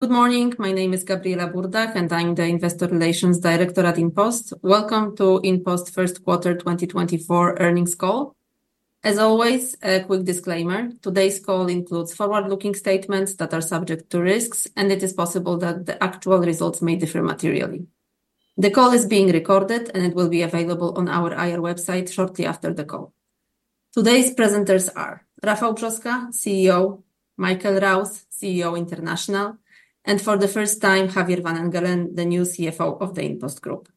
Good morning, my name is Gabriela Burdach, and I'm the Investor Relations Director at InPost. Welcome to InPost First Quarter 2024 Earnings Call. As always, a quick disclaimer: today's call includes forward-looking statements that are subject to risks, and it is possible that the actual results may differ materially. The call is being recorded, and it will be available on our IR website shortly after the call. Today's presenters are Rafał Brzoska, CEO; Michael Rouse, CEO International; and for the first time, Javier van Engelen, the new CFO of the InPost Group.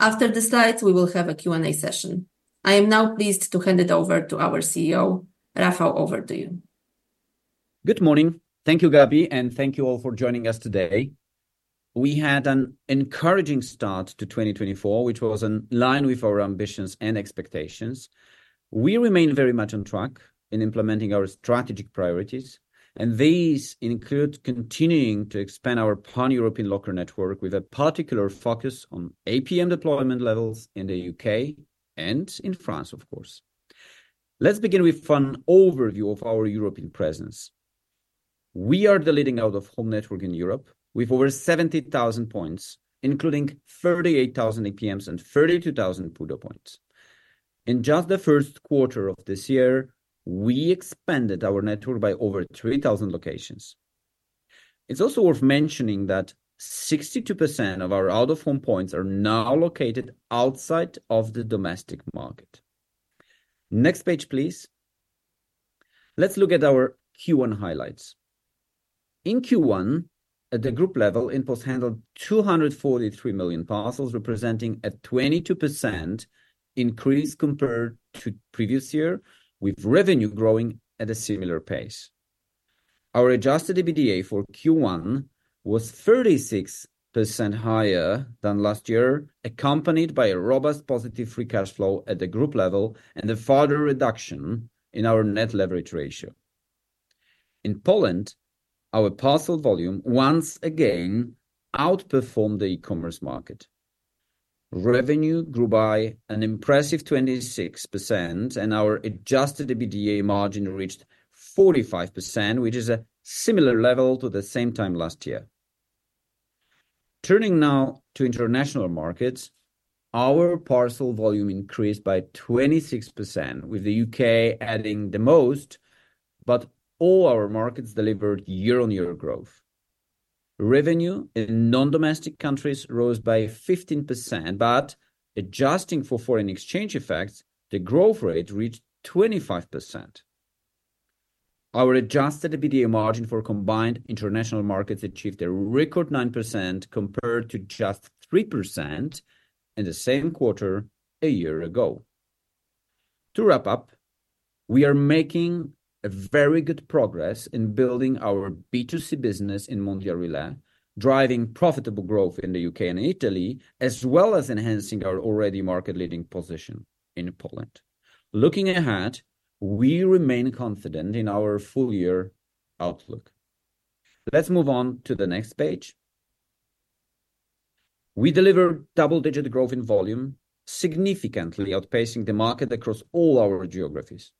After the slides, we will have a Q&A session. I am now pleased to hand it over to our CEO. Rafał, over to you. Good morning. Thank you, Gabi, and thank you all for joining us today. We had an encouraging start to 2024, which was in line with our ambitions and expectations. We remain very much on track in implementing our strategic priorities, and these include continuing to expand our pan-European locker network with a particular focus on APM deployment levels in the U.K. and in France, of course. Let's begin with an overview of our European presence. We are the leading out-of-home network in Europe with over 70,000 points, including 38,000 APMs and 32,000 PUDO points. In just the first quarter of this year, we expanded our network by over 3,000 locations. It's also worth mentioning that 62% of our out-of-home points are now located outside of the domestic market. Next page, please. Let's look at our Q1 highlights. In Q1, at the group level, InPost handled 243 million parcels, representing a 22% increase compared to previous year, with revenue growing at a similar pace. Our adjusted EBITDA for Q1 was 36% higher than last year, accompanied by a robust positive free cash flow at the group level and a further reduction in our net leverage ratio. In Poland, our parcel volume once again outperformed the e-commerce market. Revenue grew by an impressive 26%, and our adjusted EBITDA margin reached 45%, which is a similar level to the same time last year. Turning now to international markets, our parcel volume increased by 26%, with the U.K. adding the most, but all our markets delivered year-on-year growth. Revenue in non-domestic countries rose by 15%, but adjusting for foreign exchange effects, the growth rate reached 25%. Our adjusted EBITDA margin for combined international markets achieved a record 9% compared to just 3% in the same quarter a year ago. To wrap up, we are making very good progress in building our B2C business in Mondial, driving profitable growth in the U.K. and Italy, as well as enhancing our already market-leading position in Poland. Looking ahead, we remain confident in our full-year outlook. Let's move on to the next page. We deliver double-digit growth in volume, significantly outpacing the market across all our geographies.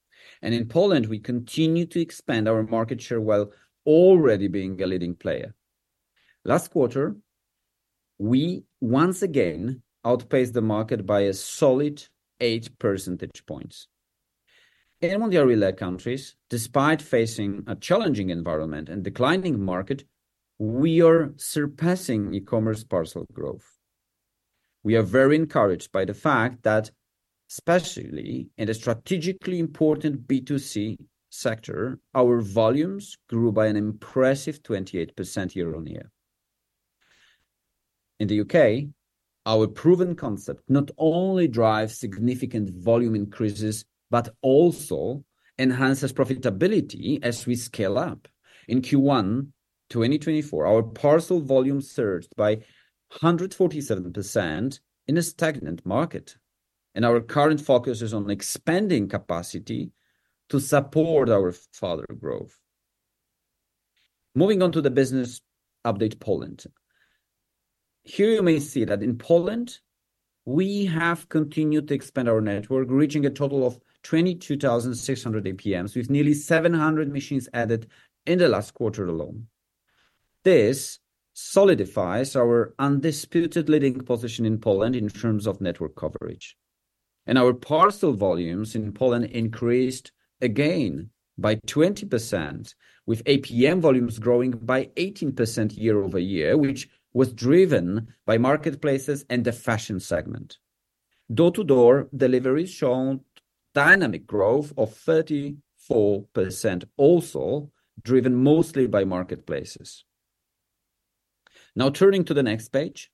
And in Poland, we continue to expand our market share while already being a leading player. Last quarter, we once again outpaced the market by a solid 8 percentage points. In Mondial countries, despite facing a challenging environment and declining market, we are surpassing e-commerce parcel growth. We are very encouraged by the fact that, especially in a strategically important B2C sector, our volumes grew by an impressive 28% year-on-year. In the U.K., our proven concept not only drives significant volume increases but also enhances profitability as we scale up. In Q1 2024, our parcel volume surged by 147% in a stagnant market, and our current focus is on expanding capacity to support our further growth. Moving on to the business update, Poland. Here you may see that in Poland, we have continued to expand our network, reaching a total of 22,600 APMs with nearly 700 machines added in the last quarter alone. This solidifies our undisputed leading position in Poland in terms of network coverage. Our parcel volumes in Poland increased again by 20%, with APM volumes growing by 18% year-over-year, which was driven by marketplaces and the fashion segment. Door-to-door deliveries showed dynamic growth of 34%, also driven mostly by marketplaces. Now turning to the next page.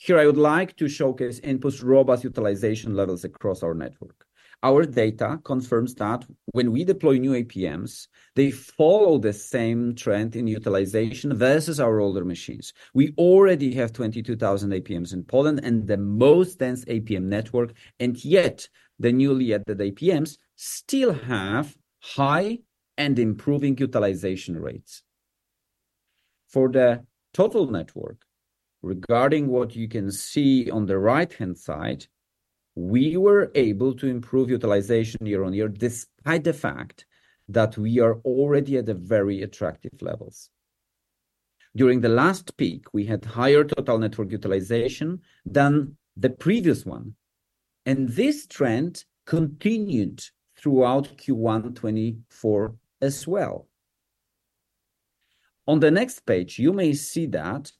Here I would like to showcase InPost's robust utilization levels across our network. Our data confirms that when we deploy new APMs, they follow the same trend in utilization versus our older machines. We already have 22,000 APMs in Poland and the most dense APM network, and yet the newly added APMs still have high and improving utilization rates. For the total network, regarding what you can see on the right-hand side, we were able to improve utilization year on year despite the fact that we are already at very attractive levels. During the last peak, we had higher total network utilization than the previous one. This trend continued throughout Q1 2024 as well. On the next page, you may see that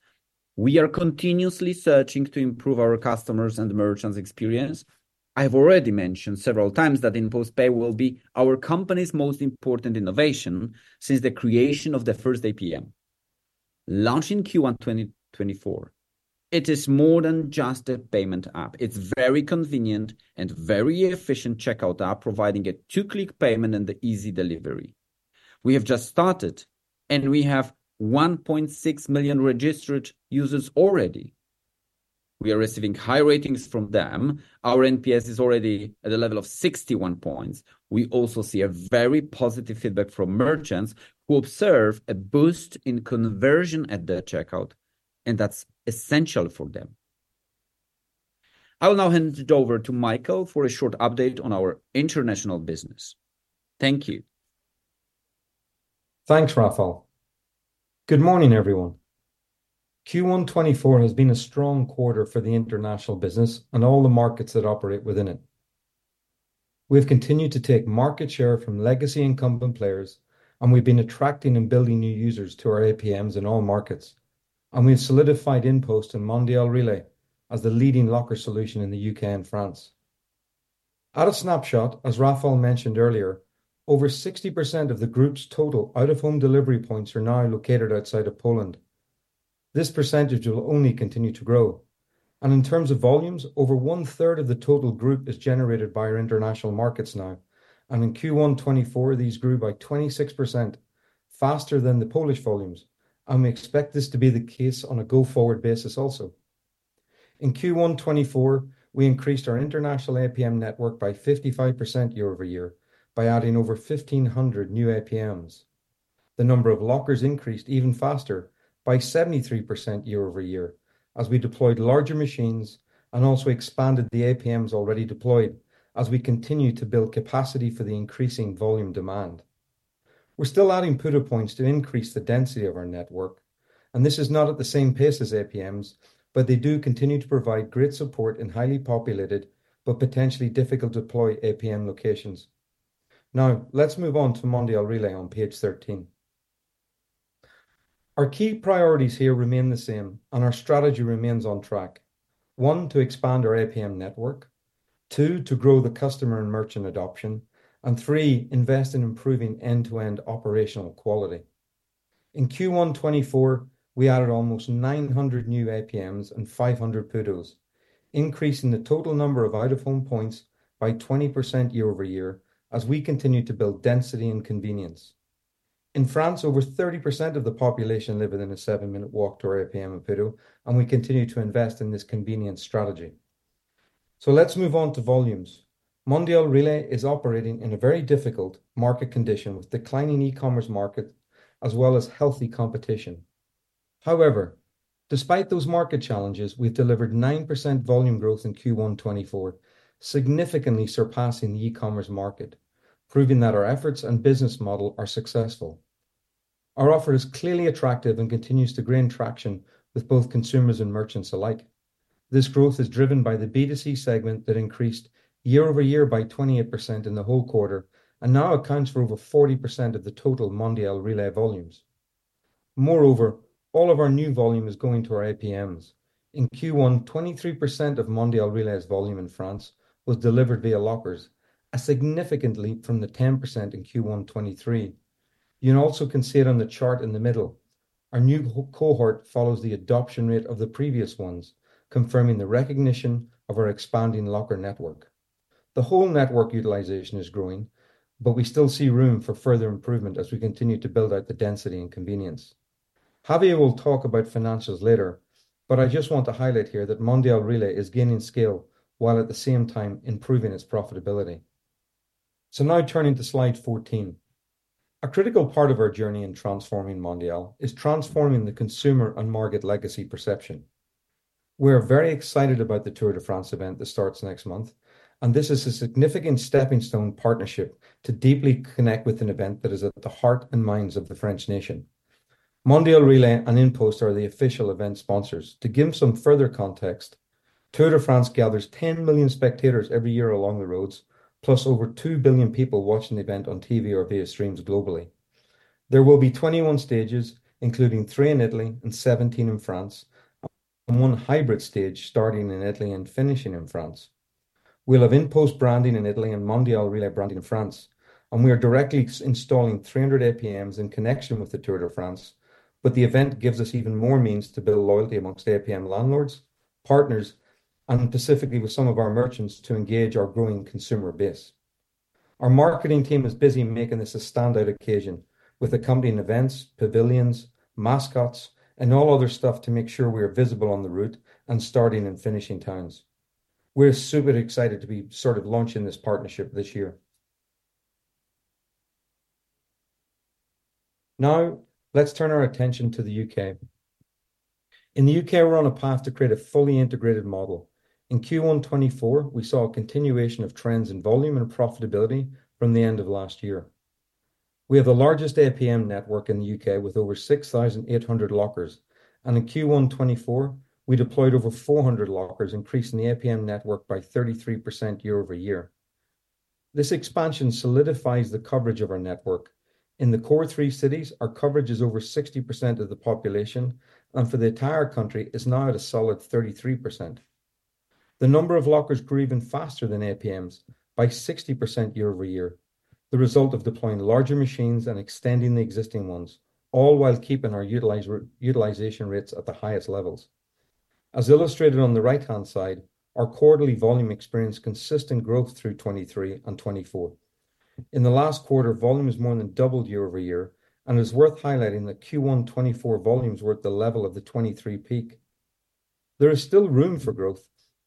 we are continuously searching to improve our customers' and merchants' experience. I've already mentioned several times that InPost Pay will be our company's most important innovation since the creation of the first APM. Launching Q1 2024, it is more than just a payment app. It's a very convenient and very efficient checkout app, providing a two-click payment and easy delivery. We have just started, and we have 1.6 million registered users already. We are receiving high ratings from them. Our NPS is already at the level of 61 points. We also see very positive feedback from merchants who observe a boost in conversion at their checkout, and that's essential for them. I will now hand it over to Michael for a short update on our international business. Thank you. Thanks, Rafał. Good morning, everyone. Q1 2024 has been a strong quarter for the international business and all the markets that operate within it. We've continued to take market share from legacy incumbent players, and we've been attracting and building new users to our APMs in all markets. We've solidified InPost and Mondial Relay as the leading locker solution in the U.K. and France. At a snapshot, as Rafał mentioned earlier, over 60% of the group's total out-of-home delivery points are now located outside of Poland. This percentage will only continue to grow. In terms of volumes, over one-third of the total group is generated by our international markets now. In Q1 2024, these grew by 26%, faster than the Polish volumes. We expect this to be the case on a go-forward basis also. In Q1 2024, we increased our international APM network by 55% year-over-year by adding over 1,500 new APMs. The number of lockers increased even faster by 73% year-over-year as we deployed larger machines and also expanded the APMs already deployed as we continue to build capacity for the increasing volume demand. We're still adding PUDO points to increase the density of our network. This is not at the same pace as APMs, but they do continue to provide great support in highly populated but potentially difficult-to-deploy APM locations. Now let's move on to Mondial Relay on page 13. Our key priorities here remain the same, and our strategy remains on track: one, to expand our APM network, two, to grow the customer and merchant adoption, and three, invest in improving end-to-end operational quality. In Q1 2024, we added almost 900 new APMs and 500 PUDOs, increasing the total number of out-of-home points by 20% year-over-year as we continue to build density and convenience. In France, over 30% of the population live within a seven-minute walk to our APM and PUDO, and we continue to invest in this convenience strategy. So let's move on to volumes. Mondial Relay is operating in a very difficult market condition with declining e-commerce markets as well as healthy competition. However, despite those market challenges, we've delivered 9% volume growth in Q1 2024, significantly surpassing the e-commerce market, proving that our efforts and business model are successful. Our offer is clearly attractive and continues to gain traction with both consumers and merchants alike. This growth is driven by the B2C segment that increased year-over-year by 28% in the whole quarter and now accounts for over 40% of the total Mondial Relay volumes. Moreover, all of our new volume is going to our APMs. In Q1, 23% of Mondial Relay's volume in France was delivered via lockers, a significant leap from the 10% in Q1 2023. You can also see it on the chart in the middle. Our new cohort follows the adoption rate of the previous ones, confirming the recognition of our expanding locker network. The whole network utilization is growing, but we still see room for further improvement as we continue to build out the density and convenience. Javier will talk about financials later, but I just want to highlight here that Mondial Relay is gaining scale while at the same time improving its profitability. So now turning to slide 14. A critical part of our journey in transforming Mondial Relay is transforming the consumer and market legacy perception. We're very excited about the Tour de France event that starts next month, and this is a significant stepping stone partnership to deeply connect with an event that is at the heart and minds of the French nation. Mondial Relay and InPost are the official event sponsors. To give some further context, Tour de France gathers 10 million spectators every year along the roads, plus over 2 billion people watching the event on TV or via streams globally. There will be 21 stages, including three in Italy and 17 in France, and one hybrid stage starting in Italy and finishing in France. We'll have InPost branding in Italy and Mondial Relay branding in France. We are directly installing 300 APMs in connection with the Tour de France. The event gives us even more means to build loyalty among APM landlords, partners, and specifically with some of our merchants to engage our growing consumer base. Our marketing team is busy making this a standout occasion with accompanying events, pavilions, mascots, and all other stuff to make sure we are visible on the route and starting and finishing towns. We're super excited to be sort of launching this partnership this year. Now let's turn our attention to the U.K. In the U.K., we're on a path to create a fully integrated model. In Q1 2024, we saw a continuation of trends in volume and profitability from the end of last year. We have the largest APM network in the U.K. with over 6,800 lockers. In Q1 2024, we deployed over 400 lockers, increasing the APM network by 33% year-over-year. This expansion solidifies the coverage of our network. In the core three cities, our coverage is over 60% of the population. For the entire country, it's now at a solid 33%. The number of lockers grew even faster than APMs by 60% year-over-year, the result of deploying larger machines and extending the existing ones, all while keeping our utilization rates at the highest levels. As illustrated on the right-hand side, our quarterly volume experienced consistent growth through 2023 and 2024. In the last quarter, volume has more than doubled year-over-year, and it's worth highlighting that Q1 2024 volumes were at the level of the 2023 peak. There is still room for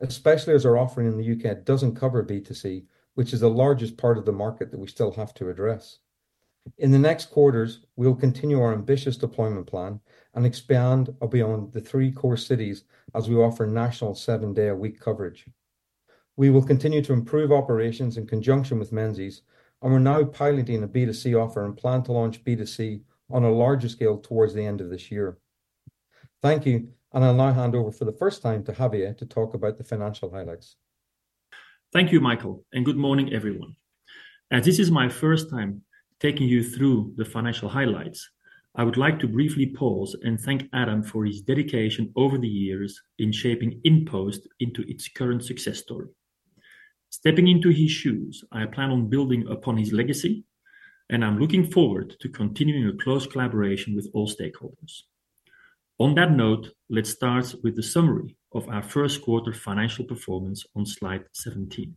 growth, especially as our offering in the U.K. doesn't cover B2C, which is the largest part of the market that we still have to address. In the next quarters, we'll continue our ambitious deployment plan and expand beyond the three core cities as we offer national seven-day-a-week coverage. We will continue to improve operations in conjunction with Menzies. We're now piloting a B2C offer and plan to launch B2C on a larger scale towards the end of this year. Thank you. I'll now hand over for the first time to Javier to talk about the financial highlights. Thank you, Michael, and good morning, everyone. As this is my first time taking you through the financial highlights, I would like to briefly pause and thank Adam for his dedication over the years in shaping InPost into its current success story. Stepping into his shoes, I plan on building upon his legacy, and I'm looking forward to continuing a close collaboration with all stakeholders. On that note, let's start with the summary of our first quarter financial performance on slide 17.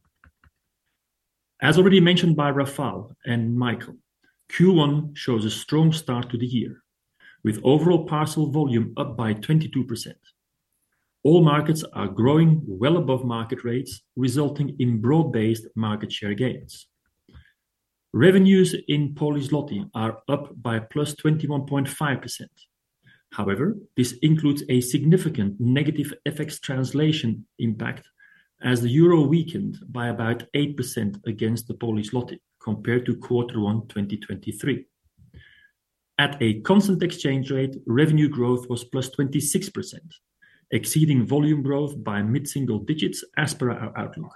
As already mentioned by Rafał and Michael, Q1 shows a strong start to the year, with overall parcel volume up by +22%. All markets are growing well above market rates, resulting in broad-based market share gains. Revenues in Polish złoty are up by +21.5%. However, this includes a significant negative FX translation impact as the euro weakened by about 8% against the Polish złoty compared to quarter one 2023. At a constant exchange rate, revenue growth was +26%, exceeding volume growth by mid-single digits as per our outlook.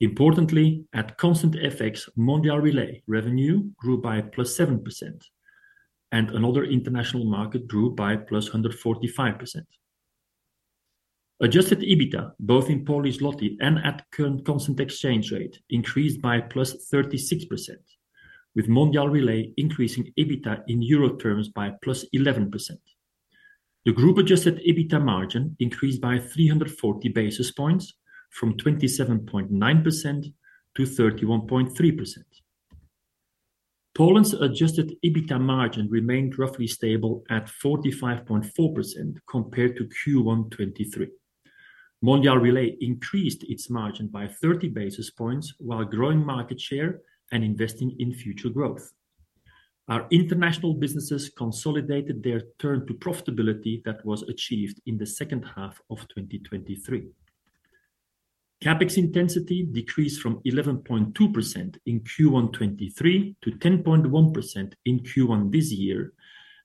Importantly, at constant FX, Mondial Relay revenue grew by +7%, and another international market grew by +145%. Adjusted EBITDA, both in Polish złoty and at current constant exchange rate, increased by +36%, with Mondial Relay increasing EBITDA in euro terms by +11%. The group adjusted EBITDA margin increased by 340 basis points from 27.9% to 31.3%. Poland's adjusted EBITDA margin remained roughly stable at 45.4% compared to Q1 2023. Mondial Relay increased its margin by 30 basis points while growing market share and investing in future growth. Our international businesses consolidated their turn to profitability that was achieved in the second half of 2023. CapEx intensity decreased from 11.2% in Q1 2023 to 10.1% in Q1 this year,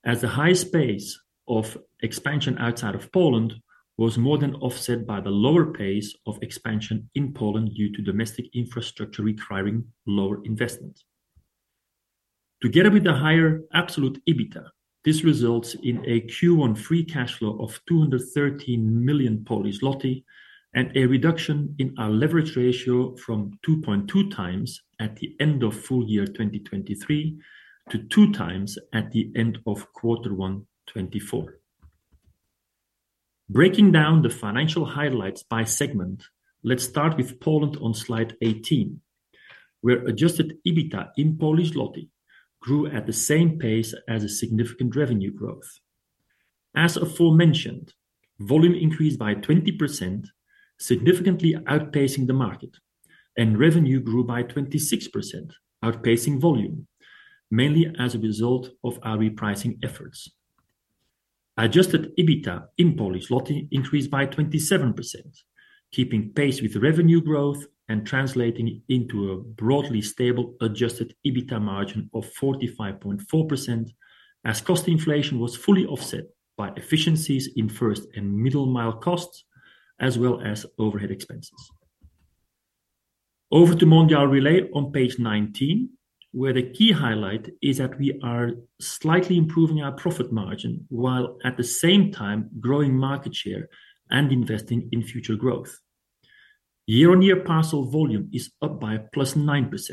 as the highest pace of expansion outside of Poland was more than offset by the lower pace of expansion in Poland due to domestic infrastructure requiring lower investments. Together with the higher absolute EBITDA, this results in a Q1 Free Cash Flow of 213 million and a reduction in our leverage ratio from 2.2x at the end of full year 2023 to 2x at the end of Q1 2024. Breaking down the financial highlights by segment, let's start with Poland on slide 18, where Adjusted EBITDA in Polish złoty grew at the same pace as significant revenue growth. As aforementioned, volume increased by 20%, significantly outpacing the market, and revenue grew by 26%, outpacing volume, mainly as a result of our repricing efforts. Adjusted EBITDA in Polish złoty increased by 27%, keeping pace with revenue growth and translating into a broadly stable adjusted EBITDA margin of 45.4% as cost inflation was fully offset by efficiencies in first and middle-mile costs as well as overhead expenses. Over to Mondial Relay on page 19, where the key highlight is that we are slightly improving our profit margin while at the same time growing market share and investing in future growth. Year-on-year parcel volume is up by +9%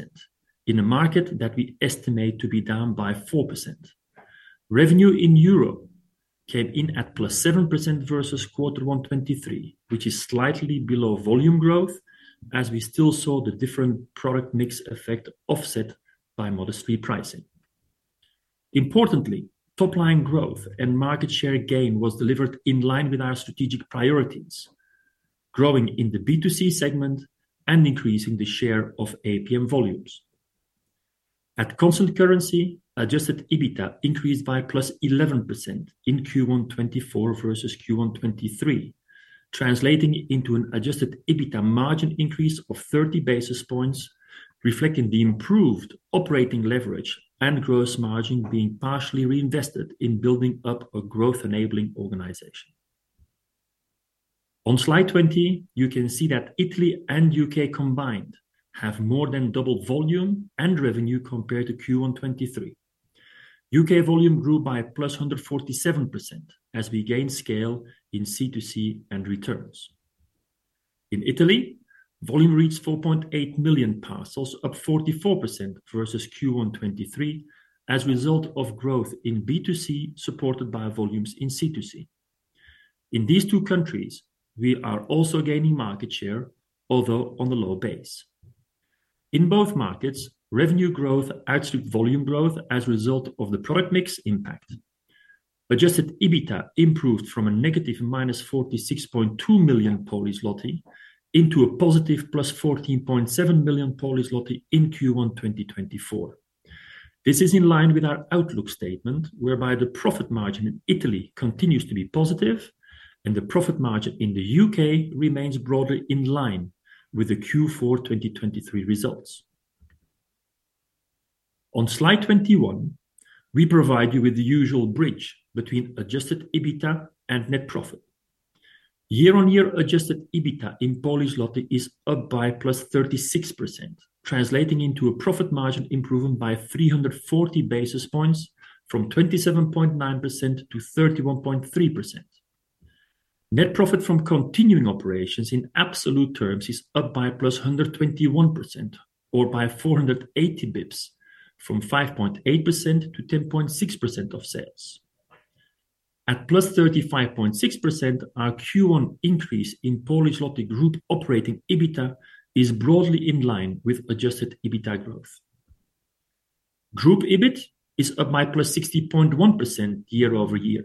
in a market that we estimate to be down by -4%. Revenue in euro came in at +7% versus quarter one 2023, which is slightly below volume growth as we still saw the different product mix effect offset by modest repricing. Importantly, top-line growth and market share gain was delivered in line with our strategic priorities, growing in the B2C segment and increasing the share of APM volumes. At constant currency, adjusted EBITDA increased by +11% in Q1 2024 versus Q1 2023, translating into an adjusted EBITDA margin increase of 30 basis points, reflecting the improved operating leverage and gross margin being partially reinvested in building up a growth-enabling organization. On slide 20, you can see that Italy and U.K. combined have more than doubled volume and revenue compared to Q1 2023. U.K. volume grew by +147% as we gained scale in C2C and returns. In Italy, volume reached 4.8 million parcels, up 44% versus Q1 2023, as a result of growth in B2C supported by volumes in C2C. In these two countries, we are also gaining market share, although on a low base. In both markets, revenue growth outstripped volume growth as a result of the product mix impact. Adjusted EBITDA improved from -46.2 million into +14.7 million in Q1 2024. This is in line with our outlook statement whereby the profit margin in Italy continues to be positive and the profit margin in the U.K. remains broadly in line with the Q4 2023 results. On slide 21, we provide you with the usual bridge between adjusted EBITDA and net profit. Year-on-year, adjusted EBITDA in PLN is up by +36%, translating into a profit margin improvement by 340 basis points from 27.9%-31.3%. Net profit from continuing operations in absolute terms is up by +121% or by 480 basis points from 5.8%-10.6% of sales. At +35.6%, our Q1 increase in Polish złoty group operating EBITDA is broadly in line with adjusted EBITDA growth. Group EBIT is up by +60.1% year-over-year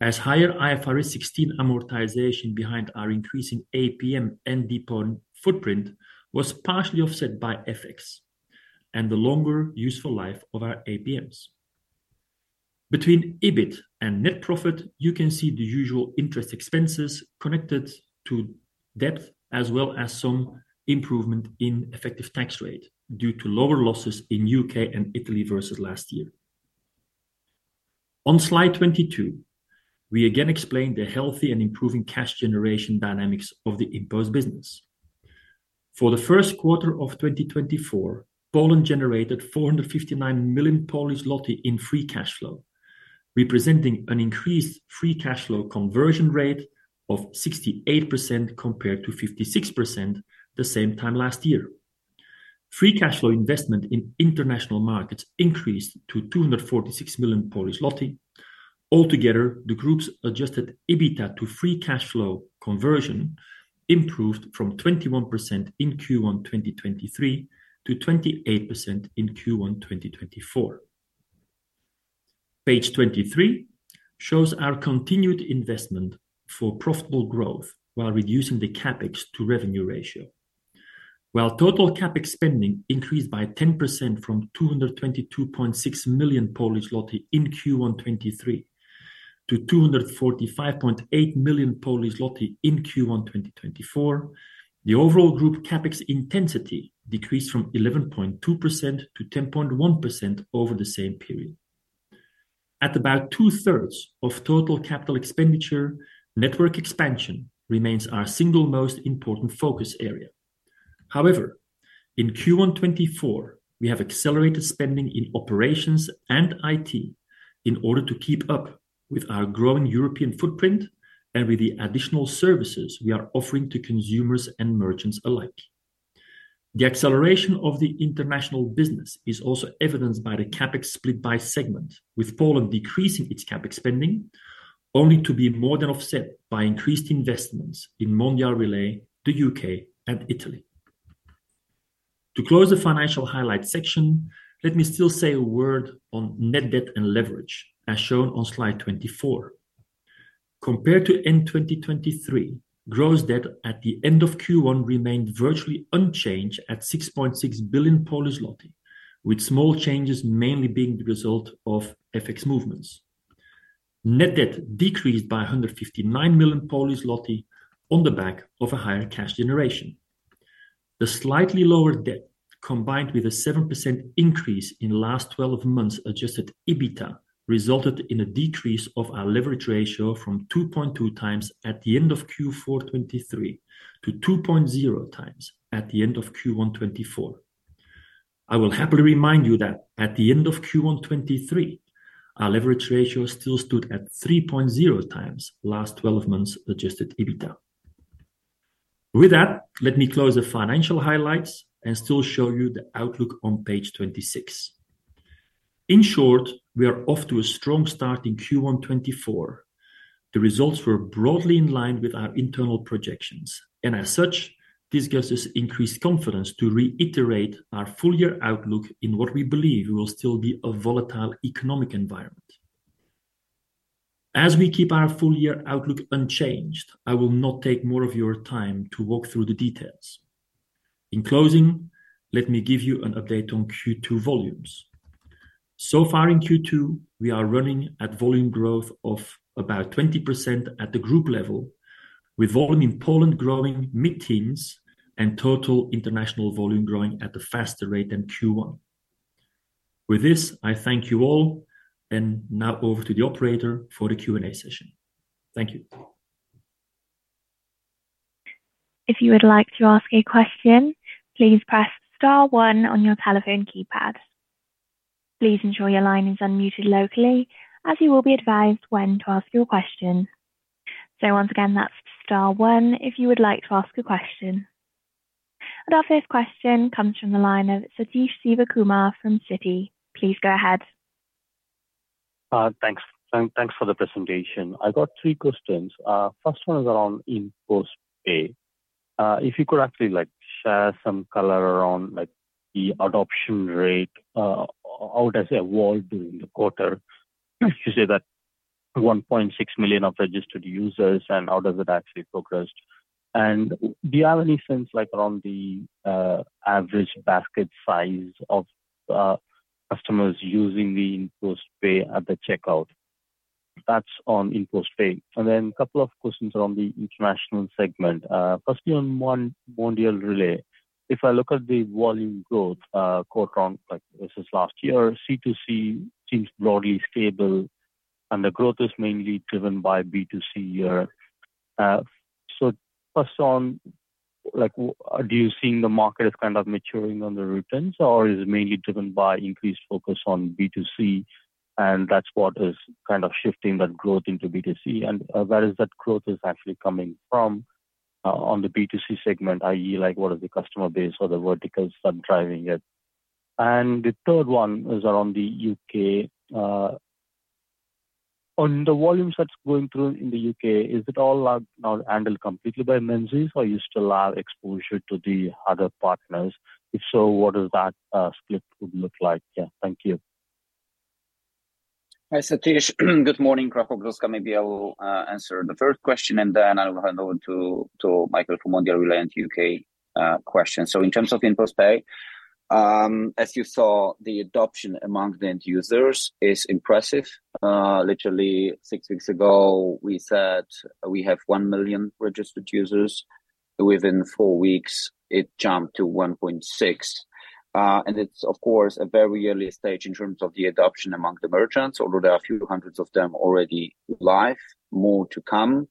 as higher IFRS 16 amortization behind our increasing APM and depot footprint was partially offset by FX and the longer useful life of our APMs. Between EBIT and net profit, you can see the usual interest expenses connected to debt as well as some improvement in effective tax rate due to lower losses in U.K. and Italy versus last year. On slide 22, we again explain the healthy and improving cash generation dynamics of the InPost business. For the first quarter of 2024, Poland generated 459 million in free cash flow, representing an increased free cash flow conversion rate of 68% compared to 56% the same time last year. Free cash flow investment in international markets increased to 246 million. Altogether, the group's adjusted EBITDA to free cash flow conversion improved from 21% in Q1 2023 to 28% in Q1 2024. Page 23 shows our continued investment for profitable growth while reducing the CapEx to revenue ratio. While total CapEx spending increased by 10% from 222.6 million in Q1 2023 to 245.8 million in Q1 2024, the overall group CapEx intensity decreased from 11.2% to 10.1% over the same period. At about two-thirds of total capital expenditure, network expansion remains our single most important focus area. However, in Q1 2024, we have accelerated spending in operations and IT in order to keep up with our growing European footprint and with the additional services we are offering to consumers and merchants alike. The acceleration of the international business is also evidenced by the CapEx split by segment, with Poland decreasing its CapEx spending, only to be more than offset by increased investments in Mondial Relay, the U.K., and Italy. To close the financial highlight section, let me still say a word on net debt and leverage, as shown on slide 24. Compared to end 2023, gross debt at the end of Q1 remained virtually unchanged at 6.6 billion, with small changes mainly being the result of FX movements. Net debt decreased by 159 million on the back of a higher cash generation. The slightly lower debt, combined with a 7% increase in last 12 months' Adjusted EBITDA, resulted in a decrease of our leverage ratio from 2.2x at the end of Q4 2023 to 2.0x at the end of Q1 2024. I will happily remind you that at the end of Q1 2023, our leverage ratio still stood at 3.0 times last 12 months' adjusted EBITDA. With that, let me close the financial highlights and still show you the outlook on page 26. In short, we are off to a strong start in Q1 2024. The results were broadly in line with our internal projections. As such, this gives us increased confidence to reiterate our full-year outlook in what we believe will still be a volatile economic environment. As we keep our full-year outlook unchanged, I will not take more of your time to walk through the details. In closing, let me give you an update on Q2 volumes. So far in Q2, we are running at volume growth of about 20% at the group level, with volume in Poland growing mid-teens and total international volume growing at a faster rate than Q1. With this, I thank you all. Now over to the operator for the Q&A session. Thank you. If you would like to ask a question, please press star one on your telephone keypad. Please ensure your line is unmuted locally, as you will be advised when to ask your question. So once again, that's star one if you would like to ask a question. Our first question comes from the line of Sathish Sivakumar from Citi. Please go ahead. Thanks. Thanks for the presentation. I got three questions. First one is around InPost Pay. If you could actually share some color around the adoption rate, how does it evolve during the quarter? You say that 1.6 million registered users, and how does it actually progress? And do you have any sense around the average basket size of customers using the InPost Pay at the checkout? That's on InPost Pay. And then a couple of questions around the international segment. Firstly, on Mondial Relay, if I look at the volume growth quite strong, this is last year, C2C seems broadly stable, and the growth is mainly driven by B2C here. So first on, are you seeing the market is kind of maturing on the returns, or is it mainly driven by increased focus on B2C, and that's what is kind of shifting that growth into B2C? Where is that growth actually coming from on the B2C segment, i.e., what is the customer base or the verticals that are driving it? The third one is around the U.K.. On the volumes that's going through in the U.K., is it all now handled completely by Menzies? Are you still have exposure to the other partners? If so, what does that split would look like? Yeah. Thank you. Hi, Sathish. Good morning, Rafał Brzoska. Maybe I will answer the first question, and then I will hand over to Michael from Mondial Relay and U.K. question. So in terms of InPost Pay, as you saw, the adoption among the end users is impressive. Literally, six weeks ago, we said we have 1 million registered users. Within four weeks, it jumped to 1.6. And it's, of course, a very early stage in terms of the adoption among the merchants, although there are a few hundreds of them already live, more to come.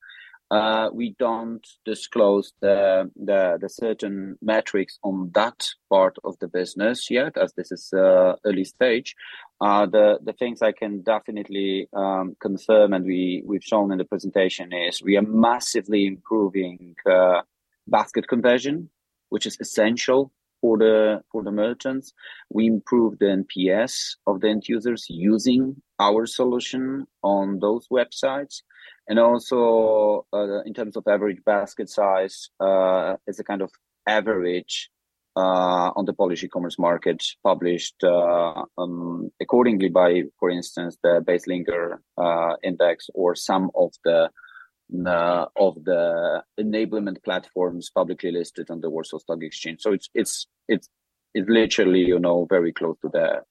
We don't disclose the certain metrics on that part of the business yet as this is early stage. The things I can definitely confirm, and we've shown in the presentation, is we are massively improving basket conversion, which is essential for the merchants. We improved the NPS of the end users using our solution on those websites. And also, in terms of average basket size, it's a kind of average on the Polish e-commerce market published accordingly by, for instance, the BaseLinker Index or some of the enablement platforms publicly listed on the Warsaw Stock Exchange. So it's literally very close to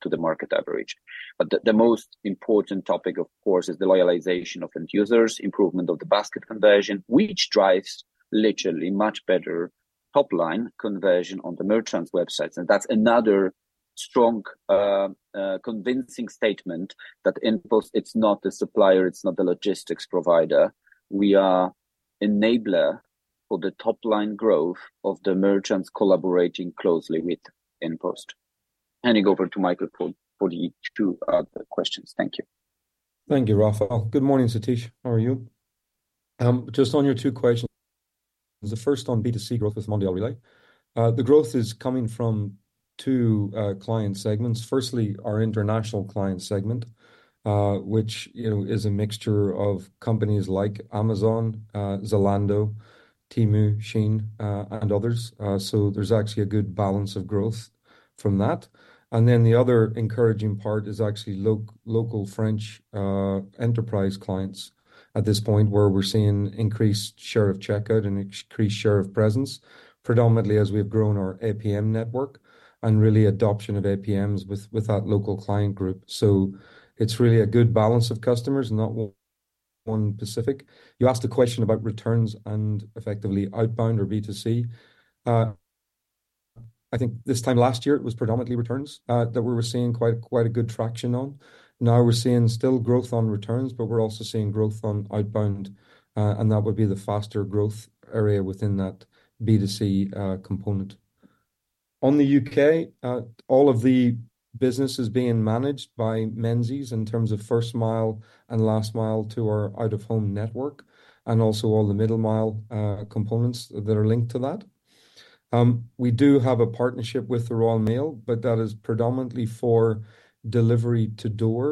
the market average. But the most important topic, of course, is the loyalization of end users, improvement of the basket conversion, which drives literally much better top-line conversion on the merchants' websites. And that's another strong, convincing statement that InPost, it's not the supplier, it's not the logistics provider. We are an enabler for the top-line growth of the merchants collaborating closely with InPost. Handing over to Michael for the two other questions. Thank you. Thank you, Rafał. Good morning, Sathish. How are you? Just on your two questions, the first on B2C growth with Mondial Relay, the growth is coming from two client segments. Firstly, our international client segment, which is a mixture of companies like Amazon, Zalando, Temu, Shein, and others. So there's actually a good balance of growth from that. And then the other encouraging part is actually local French enterprise clients at this point where we're seeing increased share of checkout and increased share of presence, predominantly as we have grown our APM network and really adoption of APMs with that local client group. So it's really a good balance of customers, not one specific. You asked a question about returns and effectively outbound or B2C. I think this time last year, it was predominantly returns that we were seeing quite a good traction on. Now we're seeing still growth on returns, but we're also seeing growth on outbound. And that would be the faster growth area within that B2C component. On the U.K., all of the businesses being managed by Menzies in terms of first mile and last mile to our out-of-home network and also all the middle mile components that are linked to that. We do have a partnership with the Royal Mail, but that is predominantly for door-to-door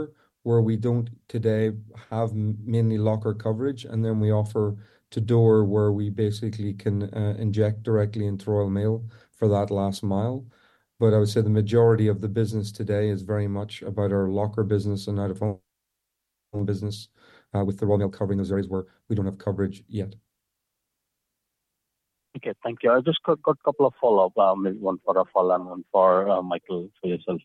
delivery where we don't today have mainly locker coverage. And then we offer door-to-door where we basically can inject directly into Royal Mail for that last mile. But I would say the majority of the business today is very much about our locker business and out-of-home business with the Royal Mail covering those areas where we don't have coverage yet. Okay. Thank you. I just got a couple of follow-up, maybe one for Rafał and one for Michael, for yourself.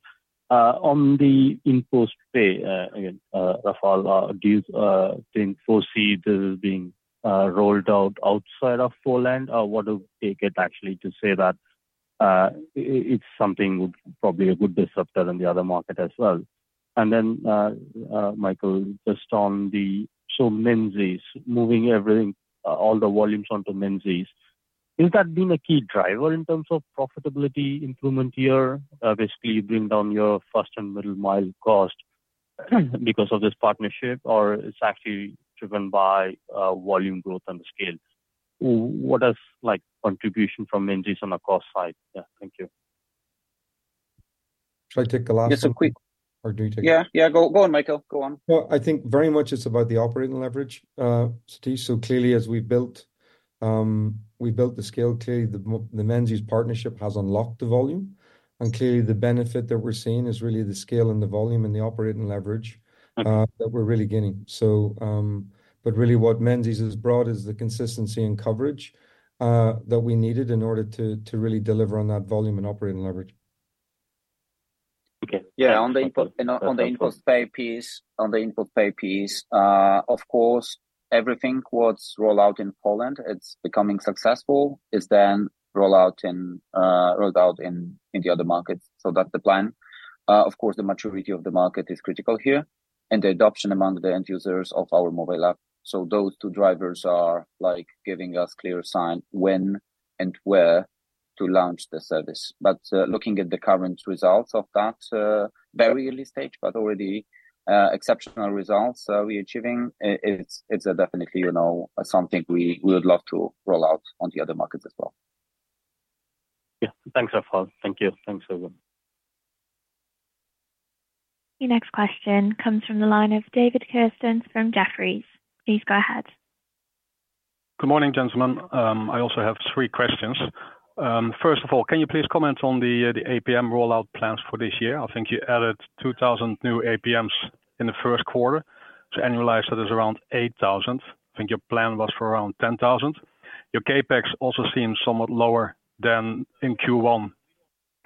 On the InPost Pay, again, Rafał, do you foresee this being rolled out outside of Poland? Or what does it take actually to say that it's something probably a good disruptor in the other market as well? And then, Michael, just on the so Menzies moving everything, all the volumes onto Menzies. Is that been a key driver in terms of profitability improvement here? Basically, you bring down your first and middle mile cost because of this partnership, or it's actually driven by volume growth and scale? What is contribution from Menzies on a cost side? Yeah. Thank you. Should I take the last one? Yes, a quick. Or do you take it? Yeah. Yeah. Go on, Michael. Go on. I think very much it's about the operating leverage, Sathish. So clearly, as we've built the scale, clearly, the Menzies partnership has unlocked the volume. And clearly, the benefit that we're seeing is really the scale and the volume and the operating leverage that we're really gaining. But really, what Menzies has brought is the consistency and coverage that we needed in order to really deliver on that volume and operating leverage. Okay. Yeah. On the InPost Pay piece, on the InPost Pay piece, of course, everything what's rolled out in Poland, it's becoming successful, is then rolled out in the other markets. So that's the plan. Of course, the maturity of the market is critical here and the adoption among the end users of our mobile app. So those two drivers are giving us clear sign when and where to launch the service. But looking at the current results of that, very early stage, but already exceptional results we're achieving, it's definitely something we would love to roll out on the other markets as well. Yeah. Thanks, Rafał. Thank you. Thanks, everyone. The next question comes from the line of David Kerstens from Jefferies. Please go ahead. Good morning, gentlemen. I also have three questions. First of all, can you please comment on the APM rollout plans for this year? I think you added 2,000 new APMs in the first quarter. So annualized, that is around 8,000. I think your plan was for around 10,000. Your CapEx also seems somewhat lower in Q1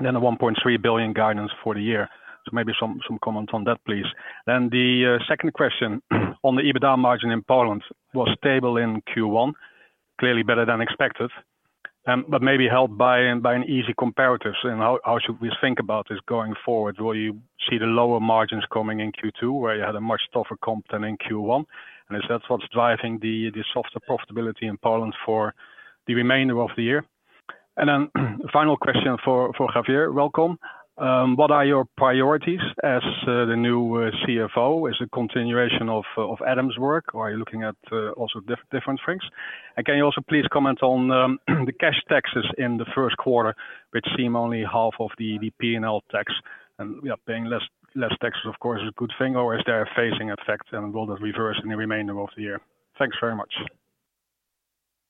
than the 1.3 billion guidance for the year. So maybe some comments on that, please. Then the second question on the EBITDA margin in Poland was stable in Q1, clearly better than expected, but maybe helped by an easy comparative. And how should we think about this going forward? Will you see the lower margins coming in Q2 where you had a much tougher comp than in Q1? And is that what's driving the softer profitability in Poland for the remainder of the year? And then final question for Javier. Welcome. What are your priorities as the new CFO? Is it continuation of Adam's work, or are you looking at also different things? And can you also please comment on the cash taxes in the first quarter, which seem only half of the P&L tax? And yeah, paying less taxes, of course, is a good thing, or is there a phasing effect, and will that reverse in the remainder of the year? Thanks very much.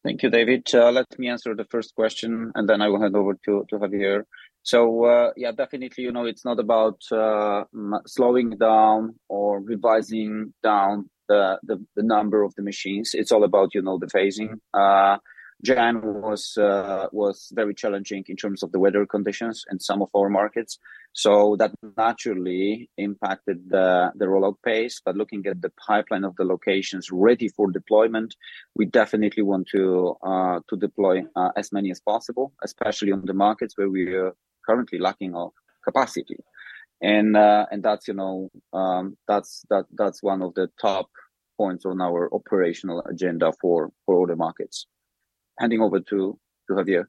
Thank you, David. Let me answer the first question, and then I will hand over to Javier. So yeah, definitely, it's not about slowing down or revising down the number of the machines. It's all about the phasing. January was very challenging in terms of the weather conditions in some of our markets. So that naturally impacted the rollout pace. But looking at the pipeline of the locations ready for deployment, we definitely want to deploy as many as possible, especially on the markets where we are currently lacking capacity. And that's one of the top points on our operational agenda for all the markets. Handing over to Javier.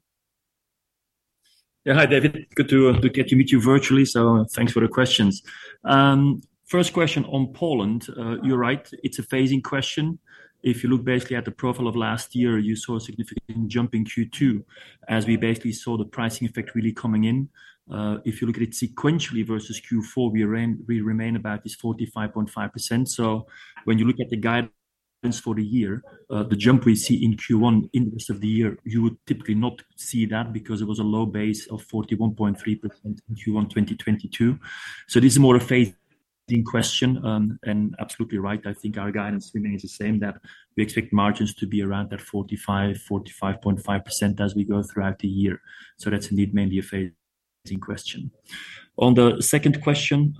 Yeah. Hi, David. Good to meet you virtually. So thanks for the questions. First question on Poland. You're right. It's a phasing question. If you look basically at the profile of last year, you saw a significant jump in Q2 as we basically saw the pricing effect really coming in. If you look at it sequentially versus Q4, we remain about this 45.5%. So when you look at the guidance for the year, the jump we see in Q1 in the rest of the year, you would typically not see that because it was a low base of 41.3% in Q1 2022. So this is more a phasing question. And absolutely right. I think our guidance remains the same, that we expect margins to be around that 45%-45.5% as we go throughout the year. So that's indeed mainly a phasing question. On the second question,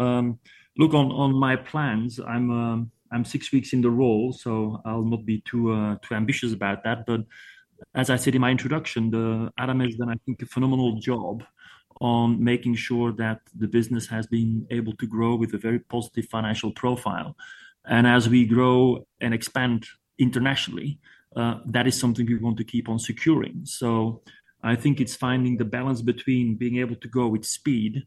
look, on my plans, I'm six weeks in the role, so I'll not be too ambitious about that. But as I said in my introduction, Adam has done, I think, a phenomenal job on making sure that the business has been able to grow with a very positive financial profile. And as we grow and expand internationally, that is something we want to keep on securing. So I think it's finding the balance between being able to go with speed,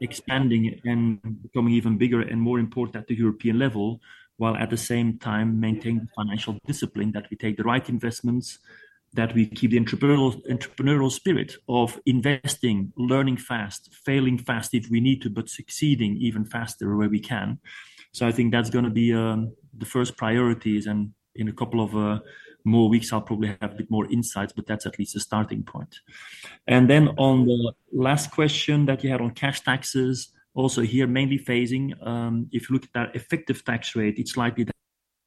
expanding, and becoming even bigger and more important at the European level, while at the same time maintaining financial discipline, that we take the right investments, that we keep the entrepreneurial spirit of investing, learning fast, failing fast if we need to, but succeeding even faster where we can. So I think that's going to be the first priorities. In a couple of more weeks, I'll probably have a bit more insights, but that's at least a starting point. Then on the last question that you had on cash taxes, also here, mainly phasing. If you look at our effective tax rate, it's slightly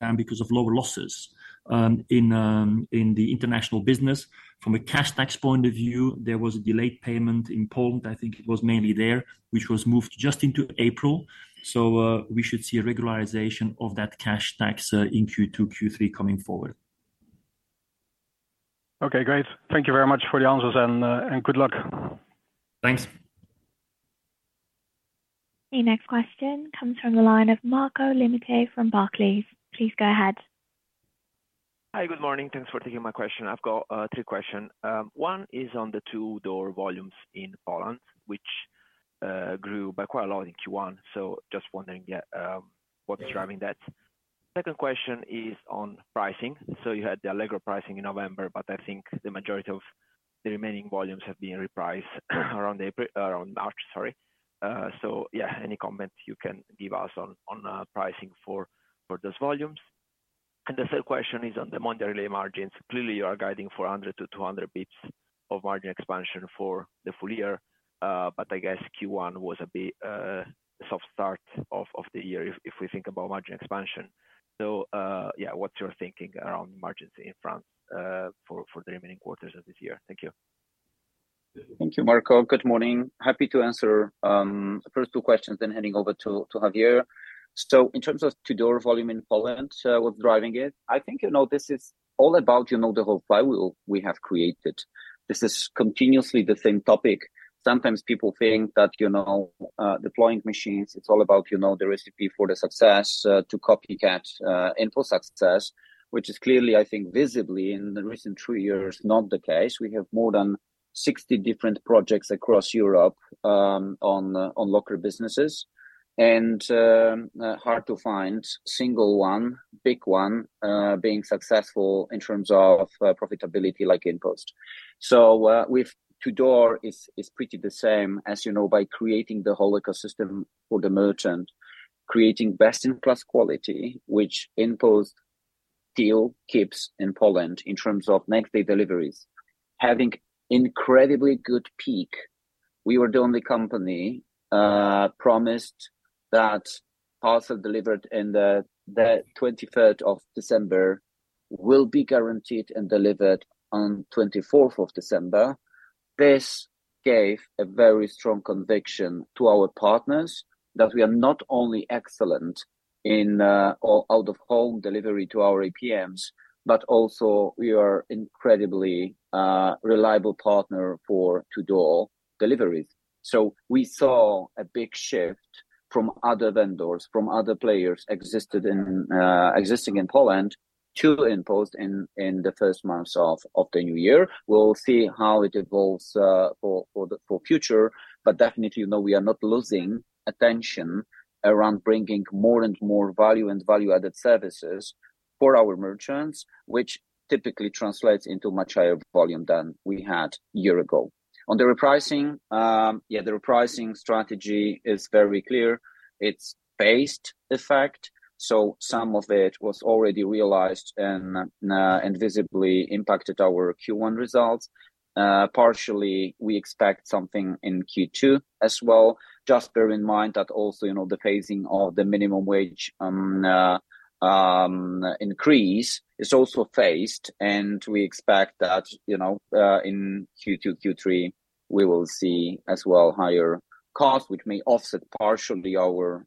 down because of lower losses in the international business. From a cash tax point of view, there was a delayed payment in Poland. I think it was mainly there, which was moved just into April. So we should see a regularization of that cash tax in Q2, Q3 coming forward. Okay. Great. Thank you very much for the answers, and good luck. Thanks. The next question comes from the line of Marco Limite from Barclays. Please go ahead. Hi. Good morning. Thanks for taking my question. I've got three questions. One is on the to-door volumes in Poland, which grew by quite a lot in Q1. So just wondering what's driving that. Second question is on pricing. So you had the Allegro pricing in November, but I think the majority of the remaining volumes have been repriced around March, sorry. So yeah, any comment you can give us on pricing for those volumes. And the third question is on the Mondial Relay margins. Clearly, you are guiding 400-200 basis points of margin expansion for the full year. But I guess Q1 was a soft start of the year if we think about margin expansion. So yeah, what's your thinking around margins in France for the remaining quarters of this year? Thank you. Thank you, Marco. Good morning. Happy to answer the first two questions, then handing over to Javier. So in terms of to-door volume in Poland, what's driving it? I think this is all about the whole flywheel we have created. This is continuously the same topic. Sometimes people think that deploying machines, it's all about the recipe for the success, to copycat InPost success, which is clearly, I think, visibly in the recent three years, not the case. We have more than 60 different projects across Europe on locker businesses and hard to find single one, big one, being successful in terms of profitability like InPost. So with to-door, it's pretty the same as by creating the whole ecosystem for the merchant, creating best-in-class quality, which InPost still keeps in Poland in terms of next-day deliveries, having incredibly good peak. We were the only company promised that parcel delivered on the 23rd of December will be guaranteed and delivered on the 24th of December. This gave a very strong conviction to our partners that we are not only excellent in out-of-home delivery to our APMs, but also we are an incredibly reliable partner for door-to-door deliveries. So we saw a big shift from other vendors, from other players existing in Poland to InPost in the first months of the new year. We'll see how it evolves for future. But definitely, we are not losing attention around bringing more and more value and value-added services for our merchants, which typically translates into much higher volume than we had a year ago. On the repricing, yeah, the repricing strategy is very clear. It's phased effect. So some of it was already realized and visibly impacted our Q1 results. Partially, we expect something in Q2 as well. Just bear in mind that also the phasing of the minimum wage increase is also phased. And we expect that in Q2, Q3, we will see as well higher costs, which may offset partially our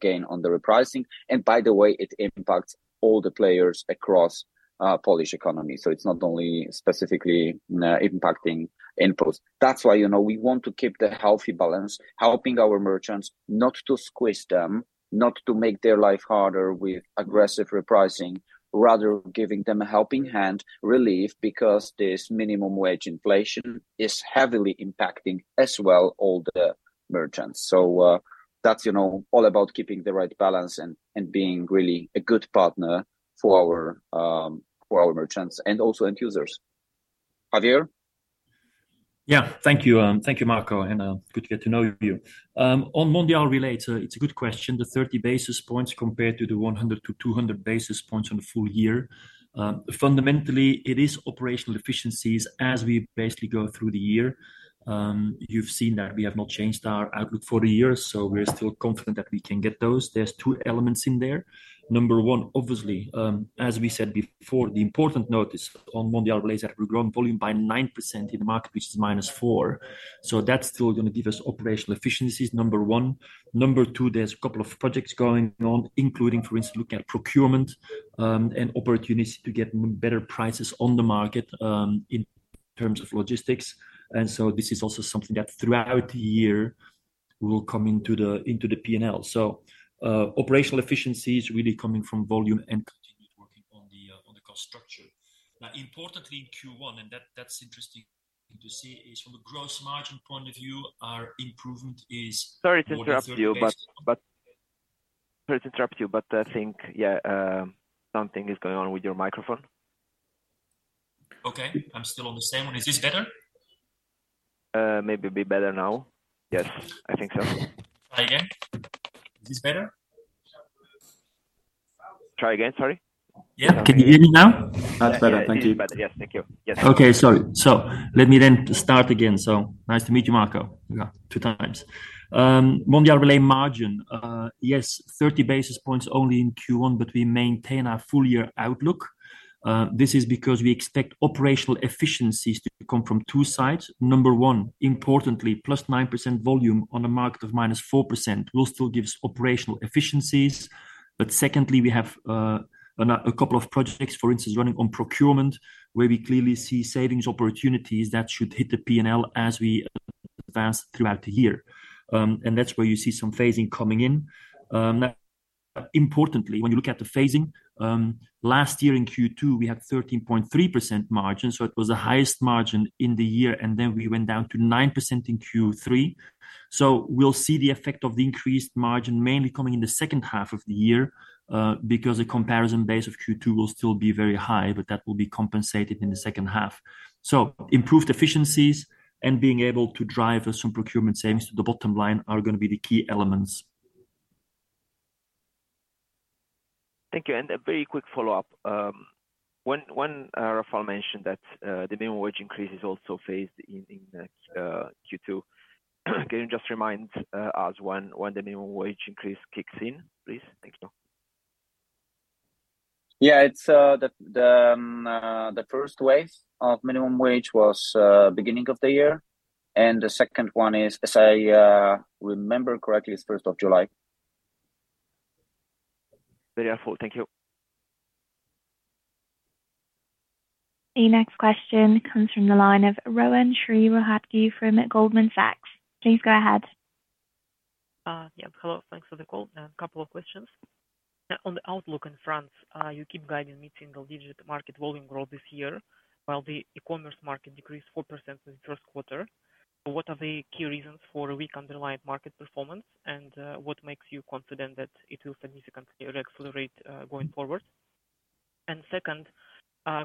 gain on the repricing. And by the way, it impacts all the players across the Polish economy. So it's not only specifically impacting InPost. That's why we want to keep the healthy balance, helping our merchants not to squeeze them, not to make their life harder with aggressive repricing, rather giving them a helping hand, relief, because this minimum wage inflation is heavily impacting as well all the merchants. So that's all about keeping the right balance and being really a good partner for our merchants and also end users. Javier? Yeah. Thank you. Thank you, Marco. Good to get to know you. On Mondial Relay, it's a good question. The 30 basis points compared to the 100-200 basis points on the full year. Fundamentally, it is operational efficiencies as we basically go through the year. You've seen that we have not changed our outlook for the year, so we're still confident that we can get those. There's two elements in there. Number one, obviously, as we said before, the important notice on Mondial Relay is that we've grown volume by 9% in the market, which is -4. So that's still going to give us operational efficiencies, number one. Number two, there's a couple of projects going on, including, for instance, looking at procurement and opportunity to get better prices on the market in terms of logistics. This is also something that throughout the year will come into the P&L. Operational efficiency is really coming from volume and continued working on the cost structure. Now, importantly in Q1, and that's interesting to see, is from a gross margin point of view, our improvement is. Sorry to interrupt you, but sorry to interrupt you, but I think, yeah, something is going on with your microphone. Okay. I'm still on the same one. Is this better? Maybe a bit better now. Yes. I think so. Try again. Is this better? Try again, sorry? Yeah. Can you hear me now? That's better. Thank you. It's better. Yes. Thank you. Yes. Okay. Sorry. So let me then start again. So nice to meet you, Marco. two times. Mondial Relay margin, yes, 30 basis points only in Q1, but we maintain our full-year outlook. This is because we expect operational efficiencies to come from two sides. Number one, importantly, +9% volume on a market of -4% will still give us operational efficiencies. But secondly, we have a couple of projects, for instance, running on procurement where we clearly see savings opportunities that should hit the P&L as we advance throughout the year. And that's where you see some phasing coming in. Now, importantly, when you look at the phasing, last year in Q2, we had 13.3% margin. So it was the highest margin in the year. And then we went down to 9% in Q3. So we'll see the effect of the increased margin mainly coming in the second half of the year because the comparison base of Q2 will still be very high, but that will be compensated in the second half. So improved efficiencies and being able to drive some procurement savings to the bottom line are going to be the key elements. Thank you. A very quick follow-up. When Rafał mentioned that the minimum wage increase is also phased in Q2, can you just remind us when the minimum wage increase kicks in, please? Thank you. Yeah. The first wave of minimum wage was beginning of the year. The second one is, as I remember correctly, it's 1st of July. Very helpful. Thank you. The next question comes from the line of Rowan Shri-Rohatgi from Goldman Sachs. Please go ahead. Yeah. Hello. Thanks for the call. A couple of questions. On the outlook in France, you keep guiding mid-single-digit market volume growth this year while the e-commerce market decreased 4% in the first quarter. What are the key reasons for a weak underlying market performance, and what makes you confident that it will significantly reaccelerate going forward? And second,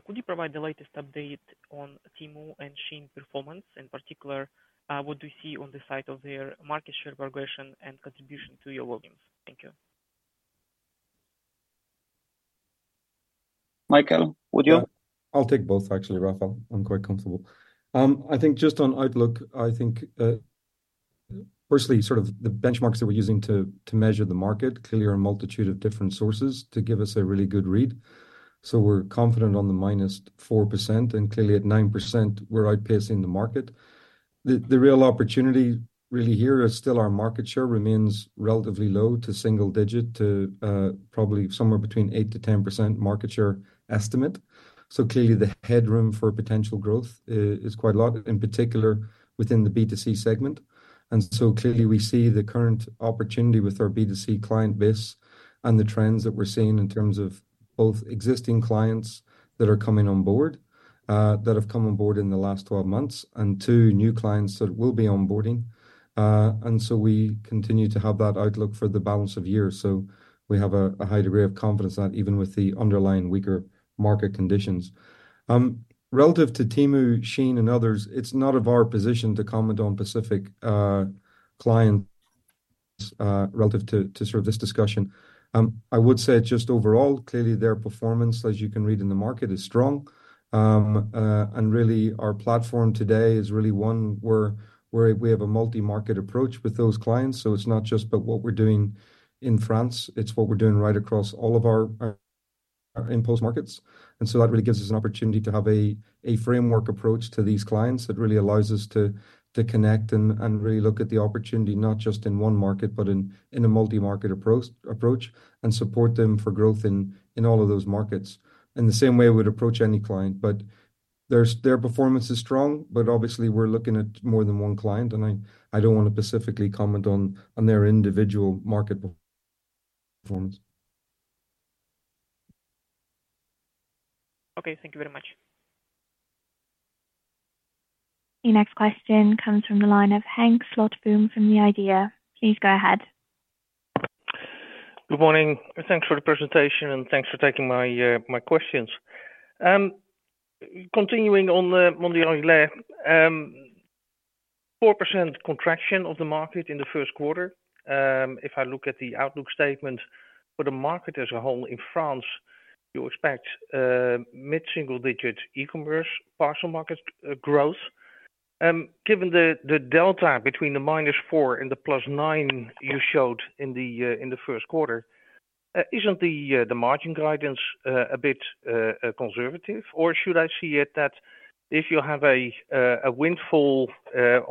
could you provide the latest update on Temu and Shein performance? In particular, what do you see on the side of their market share progression and contribution to your volumes? Thank you. Michael, would you? Yeah. I'll take both, actually, Rafał. I'm quite comfortable. I think just on outlook, I think, firstly, sort of the benchmarks that we're using to measure the market, clearly are a multitude of different sources to give us a really good read. So we're confident on the -4%. And clearly, at 9%, we're outpacing the market. The real opportunity really here is still our market share remains relatively low to single-digit, to probably somewhere between 8%-10% market share estimate. So clearly, the headroom for potential growth is quite a lot, in particular within the B2C segment. And so clearly, we see the current opportunity with our B2C client base and the trends that we're seeing in terms of both existing clients that are coming on board, that have come on board in the last 12 months, and two new clients that will be onboarding. So we continue to have that outlook for the balance of the year. We have a high degree of confidence that even with the underlying weaker market conditions relative to Temu, Shein, and others, it's not our position to comment on specific clients relative to sort of this discussion. I would say just overall, clearly, their performance, as you can read in the market, is strong. Really, our platform today is really one where we have a multi-market approach with those clients. So it's not just about what we're doing in France. It's what we're doing right across all of our InPost markets. That really gives us an opportunity to have a framework approach to these clients that really allows us to connect and really look at the opportunity, not just in one market, but in a multi-market approach, and support them for growth in all of those markets in the same way we would approach any client. Their performance is strong, but obviously, we're looking at more than one client. I don't want to specifically comment on their individual market performance. Okay. Thank you very much. The next question comes from the line of Henk Slotboom from The IDEA. Please go ahead. Good morning. Thanks for the presentation, and thanks for taking my questions. Continuing on Mondial Relay, 4% contraction of the market in the first quarter. If I look at the outlook statement for the market as a whole in France, you expect mid-single-digit e-commerce parcel market growth. Given the delta between the -4% and the +9% you showed in the first quarter, isn't the margin guidance a bit conservative? Or should I see it that if you have a windfall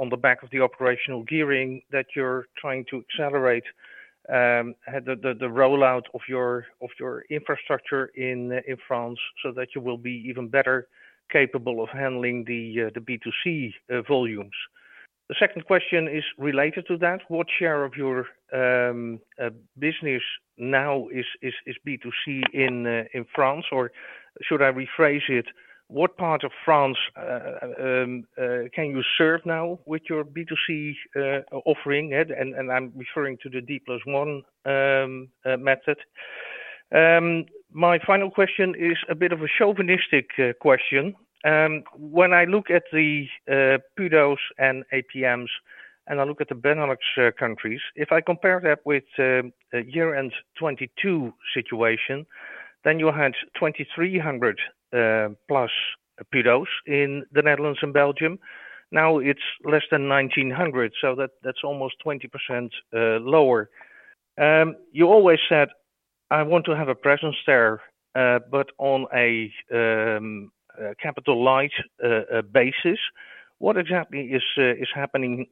on the back of the operational gearing that you're trying to accelerate the rollout of your infrastructure in France so that you will be even better capable of handling the B2C volumes? The second question is related to that. What share of your business now is B2C in France? Or should I rephrase it? What part of France can you serve now with your B2C offering? I'm referring to the D+1 method. My final question is a bit of a chauvinistic question. When I look at the PUDOs and APMs, and I look at the Benelux countries, if I compare that with the year-end 2022 situation, then you had 2,300+ PUDOs in the Netherlands and Belgium. Now, it's less than 1,900. So that's almost 20% lower. You always said, "I want to have a presence there, but on a capital light basis." What exactly is happening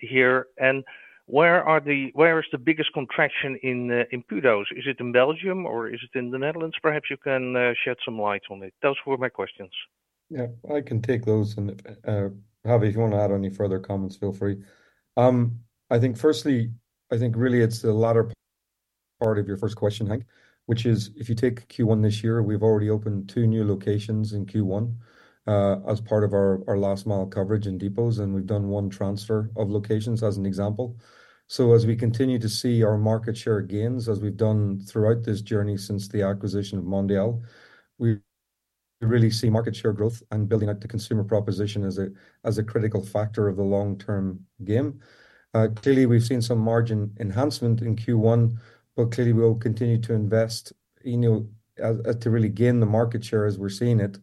here? And where is the biggest contraction in PUDOs? Is it in Belgium, or is it in the Netherlands? Perhaps you can shed some light on it. Those were my questions. Yeah. I can take those. And Javier, if you want to add any further comments, feel free. I think, firstly, I think really it's the latter part of your first question, Henk, which is if you take Q1 this year, we've already opened two new locations in Q1 as part of our last-mile coverage in depots. And we've done one transfer of locations as an example. So as we continue to see our market share gains as we've done throughout this journey since the acquisition of Mondial, we really see market share growth and building out the consumer proposition as a critical factor of the long-term game. Clearly, we've seen some margin enhancement in Q1, but clearly, we'll continue to invest to really gain the market share as we're seeing it.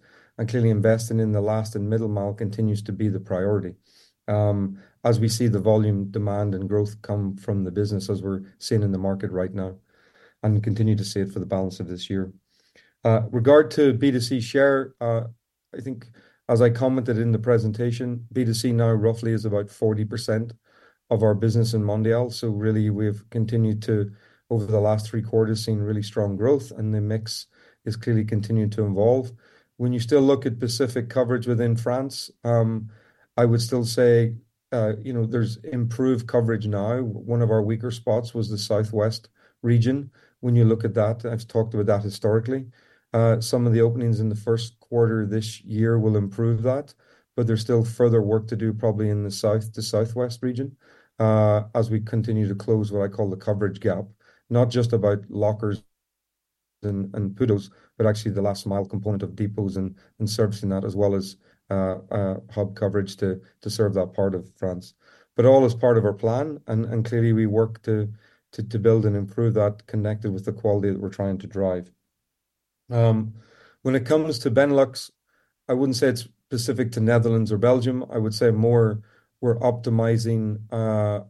Clearly, investing in the last and middle mile continues to be the priority as we see the volume, demand, and growth come from the business as we're seeing in the market right now and continue to see it for the balance of this year. Regarding B2C share, I think as I commented in the presentation, B2C now roughly is about 40% of our business in Mondial. So really, we've continued to, over the last three quarters, seen really strong growth. And the mix is clearly continuing to evolve. When you still look at specific coverage within France, I would still say there's improved coverage now. One of our weaker spots was the southwest region. When you look at that, I've talked about that historically. Some of the openings in the first quarter this year will improve that. There's still further work to do probably in the south to southwest region as we continue to close what I call the coverage gap, not just about lockers and PUDOs, but actually the last-mile component of depots and servicing that as well as hub coverage to serve that part of France. All as part of our plan. Clearly, we work to build and improve that connected with the quality that we're trying to drive. When it comes to Benelux, I wouldn't say it's specific to Netherlands or Belgium. I would say more we're optimizing,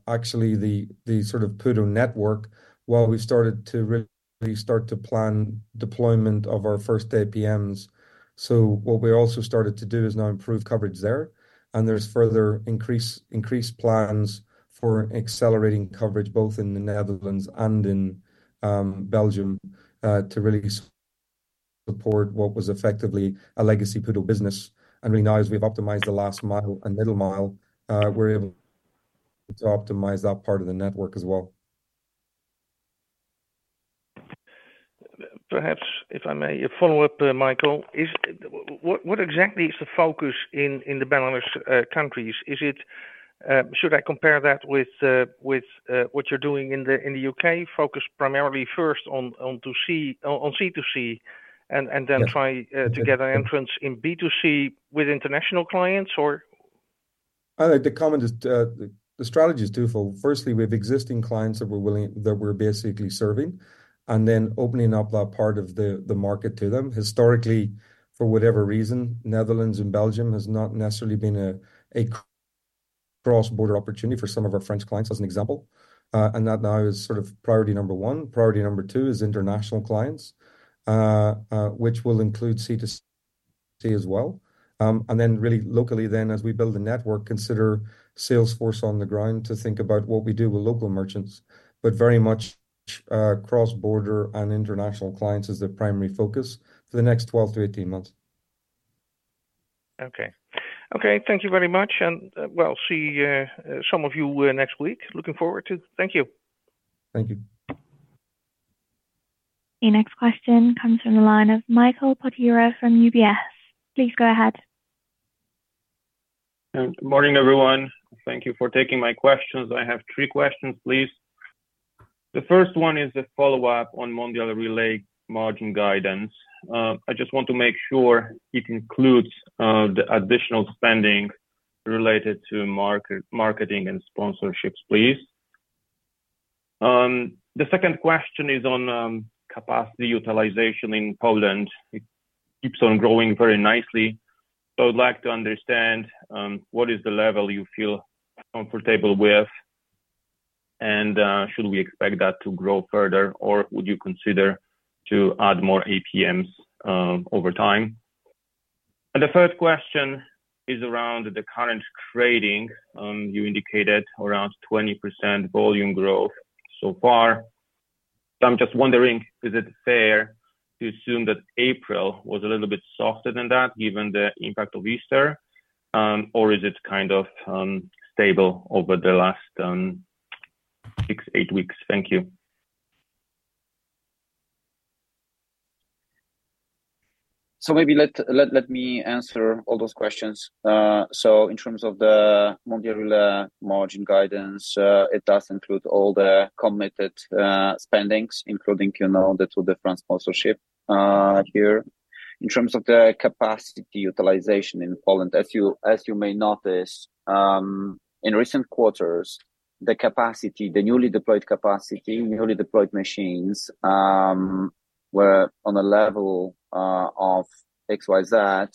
actually, the sort of PUDO network while we've started to really start to plan deployment of our first APMs. So what we also started to do is now improve coverage there. There's further increased plans for accelerating coverage both in the Netherlands and in Belgium to really support what was effectively a legacy PUDO business. And really, now as we've optimized the last mile and middle mile, we're able to optimize that part of the network as well. Perhaps, if I may, a follow-up, Michael. What exactly is the focus in the Benelux countries? Should I compare that with what you're doing in the U.K., focus primarily first on C2C and then try to get an entrance in B2C with international clients, or? The strategy is twofold. Firstly, with existing clients that we're basically serving and then opening up that part of the market to them. Historically, for whatever reason, Netherlands and Belgium has not necessarily been a cross-border opportunity for some of our French clients as an example. And that now is sort of priority number one. Priority number two is international clients, which will include C2C as well. And then really, locally, then as we build the network, consider sales force on the ground to think about what we do with local merchants. But very much cross-border and international clients is the primary focus for the next 12-18 months. Okay. Okay. Thank you very much. We'll see some of you next week. Looking forward to it. Thank you. Thank you. The next question comes from the line of Michał Potyra from UBS. Please go ahead. Good morning, everyone. Thank you for taking my questions. I have three questions, please. The first one is a follow-up on Mondial Relay margin guidance. I just want to make sure it includes the additional spending related to marketing and sponsorships, please. The second question is on capacity utilization in Poland. It keeps on growing very nicely. So I would like to understand what is the level you feel comfortable with, and should we expect that to grow further, or would you consider to add more APMs over time? And the third question is around the current trading. You indicated around 20% volume growth so far. So I'm just wondering, is it fair to assume that April was a little bit softer than that given the impact of Easter, or is it kind of stable over the last six-eight weeks? Thank you. So maybe let me answer all those questions. So in terms of the Mondial Relay margin guidance, it does include all the committed spendings, including the two different sponsorships here. In terms of the capacity utilization in Poland, as you may notice, in recent quarters, the newly deployed capacity, newly deployed machines were on a level of XYZ,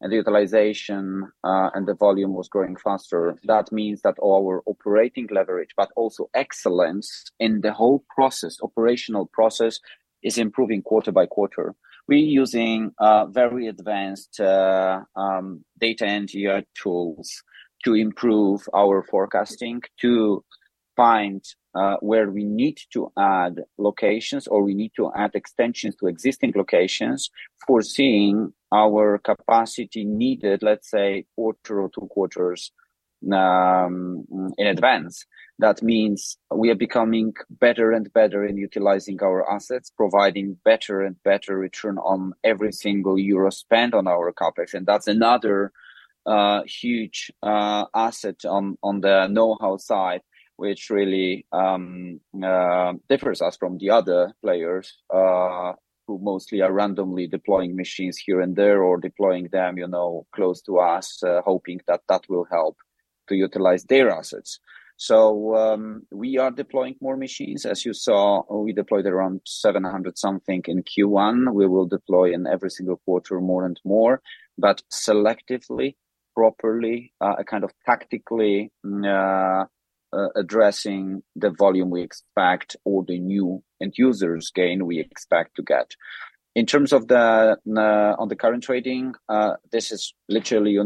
and the utilization and the volume was growing faster. That means that our operating leverage, but also excellence in the whole operational process, is improving quarter by quarter. We're using very advanced data engineering tools to improve our forecasting, to find where we need to add locations or we need to add extensions to existing locations, foreseeing our capacity needed, let's say, quarter or two quarters in advance. That means we are becoming better and better in utilizing our assets, providing better and better return on every single euro spent on our CapEx. And that's another huge asset on the know-how side, which really differs us from the other players who mostly are randomly deploying machines here and there or deploying them close to us, hoping that that will help to utilize their assets. So we are deploying more machines. As you saw, we deployed around 700-something in Q1. We will deploy in every single quarter more and more, but selectively, properly, kind of tactically addressing the volume we expect or the new end-users gain we expect to get. In terms of the current trading, this is literally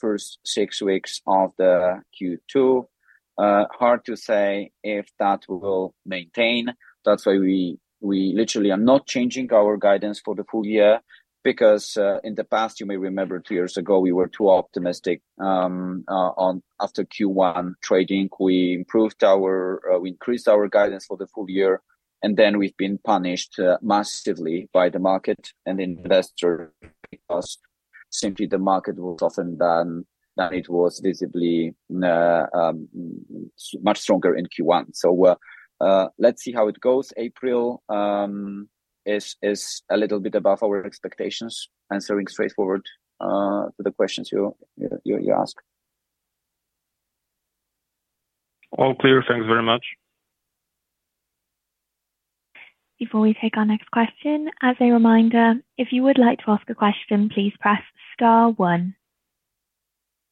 first six weeks of the Q2. Hard to say if that will maintain. That's why we literally are not changing our guidance for the full year because in the past, you may remember, two years ago, we were too optimistic. After Q1 trading, we increased our guidance for the full year. Then we've been punished massively by the market and investors because simply the market was softer than it was visibly much stronger in Q1. Let's see how it goes. April is a little bit above our expectations, answering straightforwardly to the questions you ask. All clear. Thanks very much. Before we take our next question, as a reminder, if you would like to ask a question, please press star one.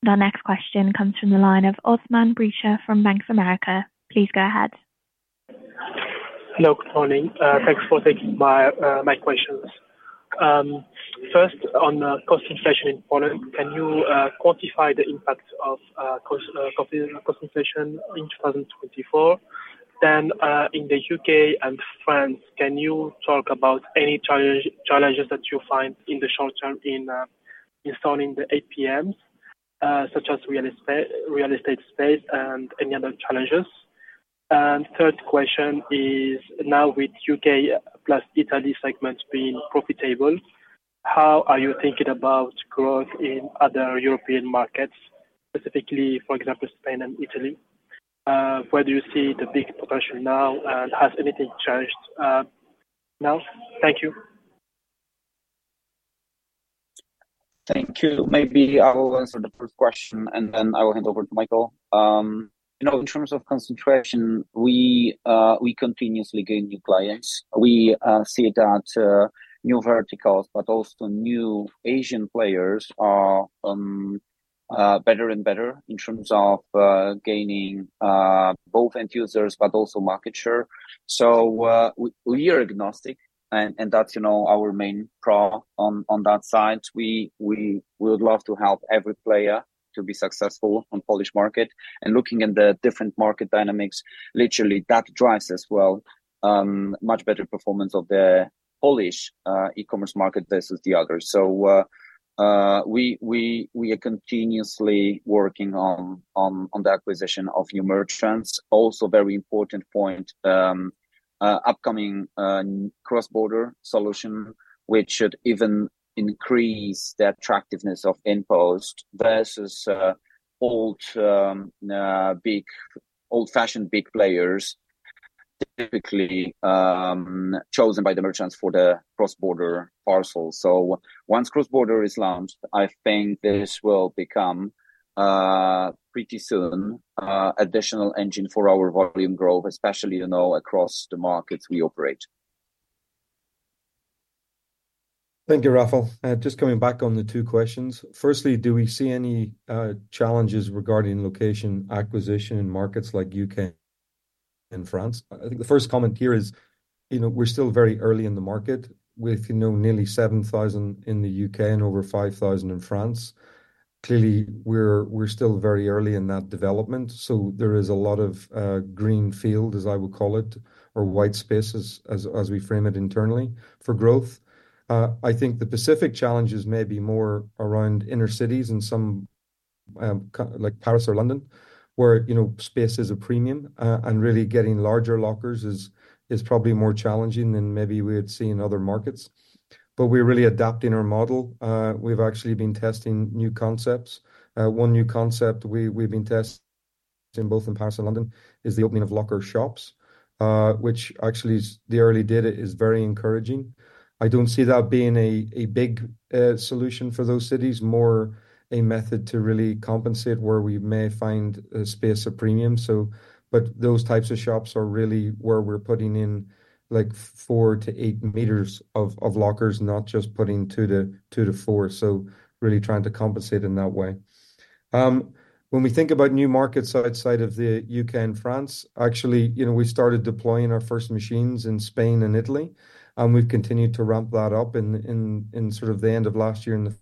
Our next question comes from the line of Osman Memisoglu from Bank of America. Please go ahead. Hello. Good morning. Thanks for taking my questions. First, on cost inflation in Poland, can you quantify the impact of cost inflation in 2024? Then in the U.K. and France, can you talk about any challenges that you find in the short term installing the APMs, such as real estate space and any other challenges? And third question is, now with U.K. plus Italy segments being profitable, how are you thinking about growth in other European markets, specifically, for example, Spain and Italy? Where do you see the big potential now, and has anything changed now? Thank you. Thank you. Maybe I will answer the first question, and then I will hand over to Michael. In terms of concentration, we continuously gain new clients. We see that new verticals, but also new Asian players are better and better in terms of gaining both end-users but also market share. So we are agnostic, and that's our main pro on that side. We would love to help every player to be successful on the Polish market. And looking at the different market dynamics, literally, that drives as well much better performance of the Polish e-commerce market versus the others. So we are continuously working on the acquisition of new merchants. Also very important point, upcoming cross-border solution, which should even increase the attractiveness of InPost versus old-fashioned big players, typically chosen by the merchants for the cross-border parcel. So once cross-border is launched, I think this will become pretty soon an additional engine for our volume growth, especially across the markets we operate. Thank you, Rafał. Just coming back on the two questions. Firstly, do we see any challenges regarding location acquisition in markets like U.K. and France? I think the first comment here is we're still very early in the market with nearly 7,000 in the U.K. and over 5,000 in France. Clearly, we're still very early in that development. So there is a lot of green field, as I would call it, or white space, as we frame it internally, for growth. I think the specific challenges may be more around inner cities and such as Paris or London where space is at a premium. And really, getting larger lockers is probably more challenging than maybe we had seen in other markets. But we're really adapting our model. We've actually been testing new concepts. One new concept we've been testing both in Paris and London is the opening of locker shops, which actually, the early data is very encouraging. I don't see that being a big solution for those cities, more a method to really compensate where we may find space at a premium. But those types of shops are really where we're putting in like four-eight meters of lockers, not just putting two-four, so really trying to compensate in that way. When we think about new markets outside of the U.K. and France, actually, we started deploying our first machines in Spain and Italy. We've continued to ramp that up in sort of the end of last year and the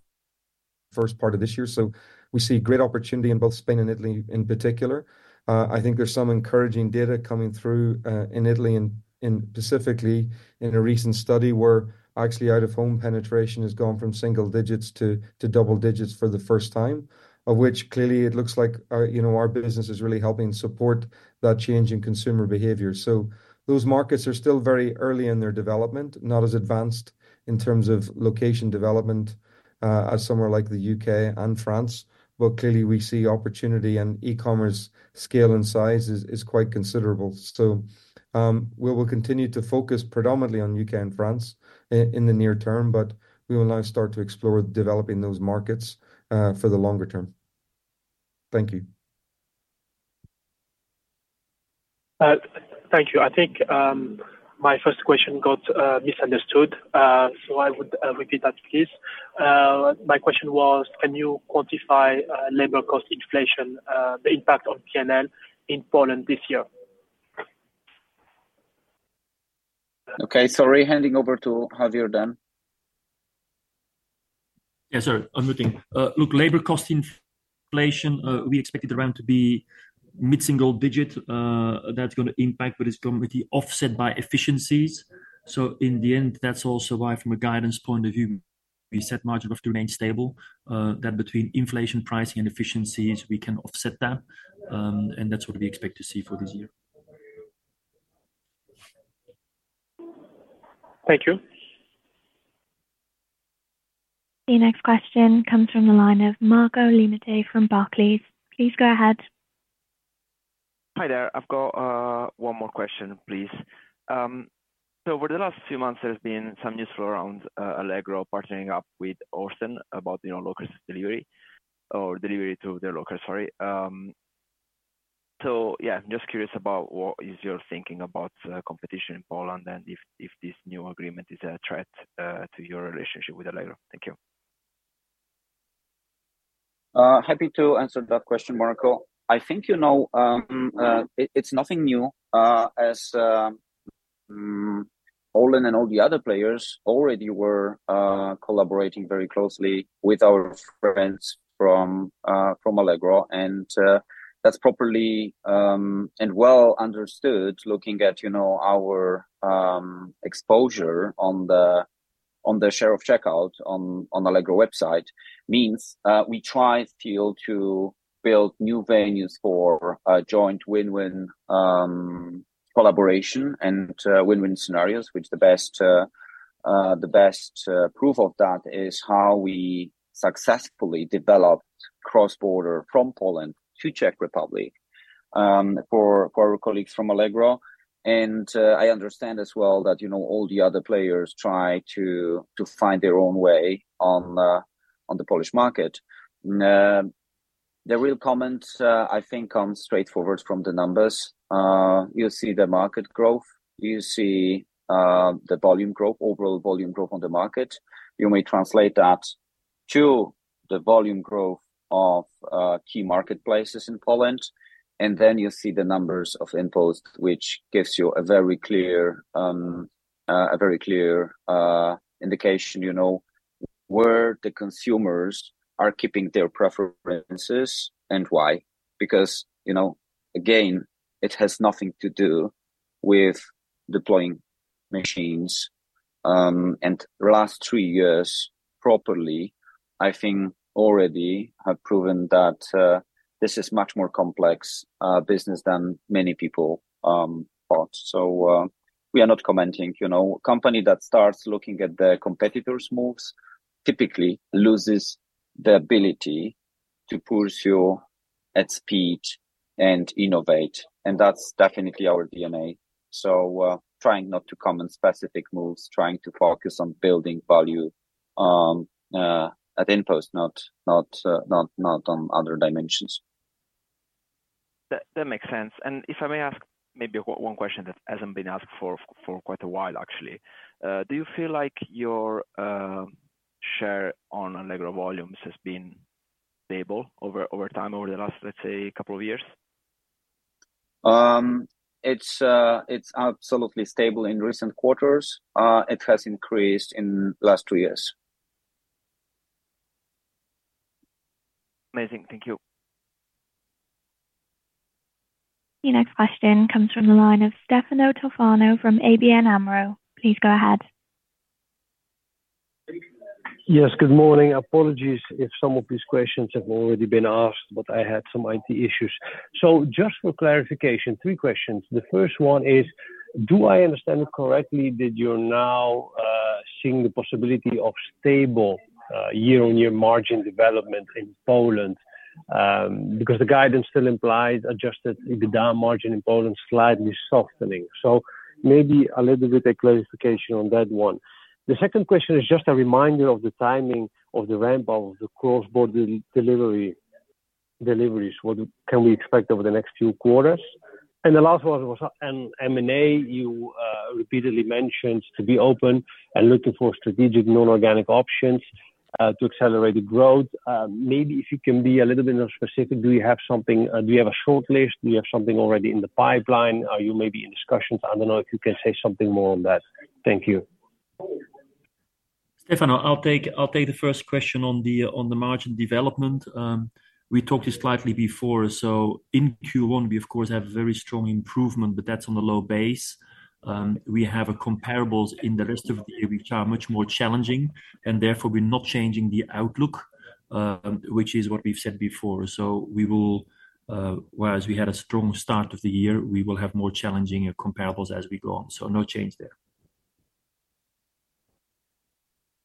first part of this year. So we see great opportunity in both Spain and Italy in particular. I think there's some encouraging data coming through in Italy and specifically in a recent study where actually out-of-home penetration has gone from single digits to double digits for the first time, of which clearly, it looks like our business is really helping support that change in consumer behavior. So those markets are still very early in their development, not as advanced in terms of location development as somewhere like the U.K. and France. But clearly, we see opportunity, and e-commerce scale and size is quite considerable. So we will continue to focus predominantly on U.K. and France in the near term, but we will now start to explore developing those markets for the longer term. Thank you. Thank you. I think my first question got misunderstood. So I would repeat that, please. My question was, can you quantify labor cost inflation, the impact on P&L in Poland this year? Okay. Sorry. Handing over to Javier then. Yes, sir. I'm muting. Look, labor cost inflation, we expect it around to be mid-single digit. That's going to impact, but it's going to be offset by efficiencies. In the end, that's also why, from a guidance point of view, we set margin growth to remain stable. That, between inflation pricing and efficiencies, we can offset that. That's what we expect to see for this year. Thank you. The next question comes from the line of Marco Limite from Barclays. Please go ahead. Hi there. I've got one more question, please. So over the last few months, there's been some newsflow around Allegro partnering up with ORLEN about delivery or delivery through their lockers, sorry. So yeah, I'm just curious about what you're thinking about competition in Poland and if this new agreement is a threat to your relationship with Allegro. Thank you. Happy to answer that question, Marco. I think it's nothing new as Poland and all the other players already were collaborating very closely with our friends from Allegro. That's properly and well understood looking at our exposure on the share of checkout on Allegro website, means we try still to build new venues for joint win-win collaboration and win-win scenarios, which the best proof of that is how we successfully developed cross-border from Poland to Czech Republic for our colleagues from Allegro. I understand as well that all the other players try to find their own way on the Polish market. The real comment, I think, comes straightforward from the numbers. You see the market growth. You see the volume growth, overall volume growth on the market. You may translate that to the volume growth of key marketplaces in Poland. Then you see the numbers of InPost, which gives you a very clear indication where the consumers are keeping their preferences and why. Because again, it has nothing to do with deploying machines. The last three years, properly, I think already have proven that this is much more complex business than many people thought. We are not commenting. A company that starts looking at the competitors' moves typically loses the ability to push you at speed and innovate. That's definitely our DNA. Trying not to comment specific moves, trying to focus on building value at InPost, not on other dimensions. That makes sense. And if I may ask maybe one question that hasn't been asked for quite a while, actually. Do you feel like your share on Allegro volumes has been stable over time, over the last, let's say, couple of years? It's absolutely stable in recent quarters. It has increased in the last two years. Amazing. Thank you. The next question comes from the line of Stefano Tofano from ABN AMRO. Please go ahead. Yes. Good morning. Apologies if some of these questions have already been asked, but I had some IT issues. So just for clarification, three questions. The first one is, do I understand it correctly, did you now see the possibility of stable year-on-year margin development in Poland? Because the guidance still implies adjusted EBITDA margin in Poland slightly softening. So maybe a little bit of clarification on that one. The second question is just a reminder of the timing of the ramp-up of the cross-border deliveries. What can we expect over the next few quarters? And the last one was M&A. You repeatedly mentioned to be open and looking for strategic non-organic options to accelerate the growth. Maybe if you can be a little bit more specific, do you have something do you have a shortlist? Do you have something already in the pipeline? Are you maybe in discussions? I don't know if you can say something more on that. Thank you. Stefano, I'll take the first question on the margin development. We talked this slightly before. In Q1, we, of course, have a very strong improvement, but that's on a low base. We have comparables in the rest of the year, which are much more challenging. Therefore, we're not changing the outlook, which is what we've said before. Whereas we had a strong start of the year, we will have more challenging comparables as we go on. No change there.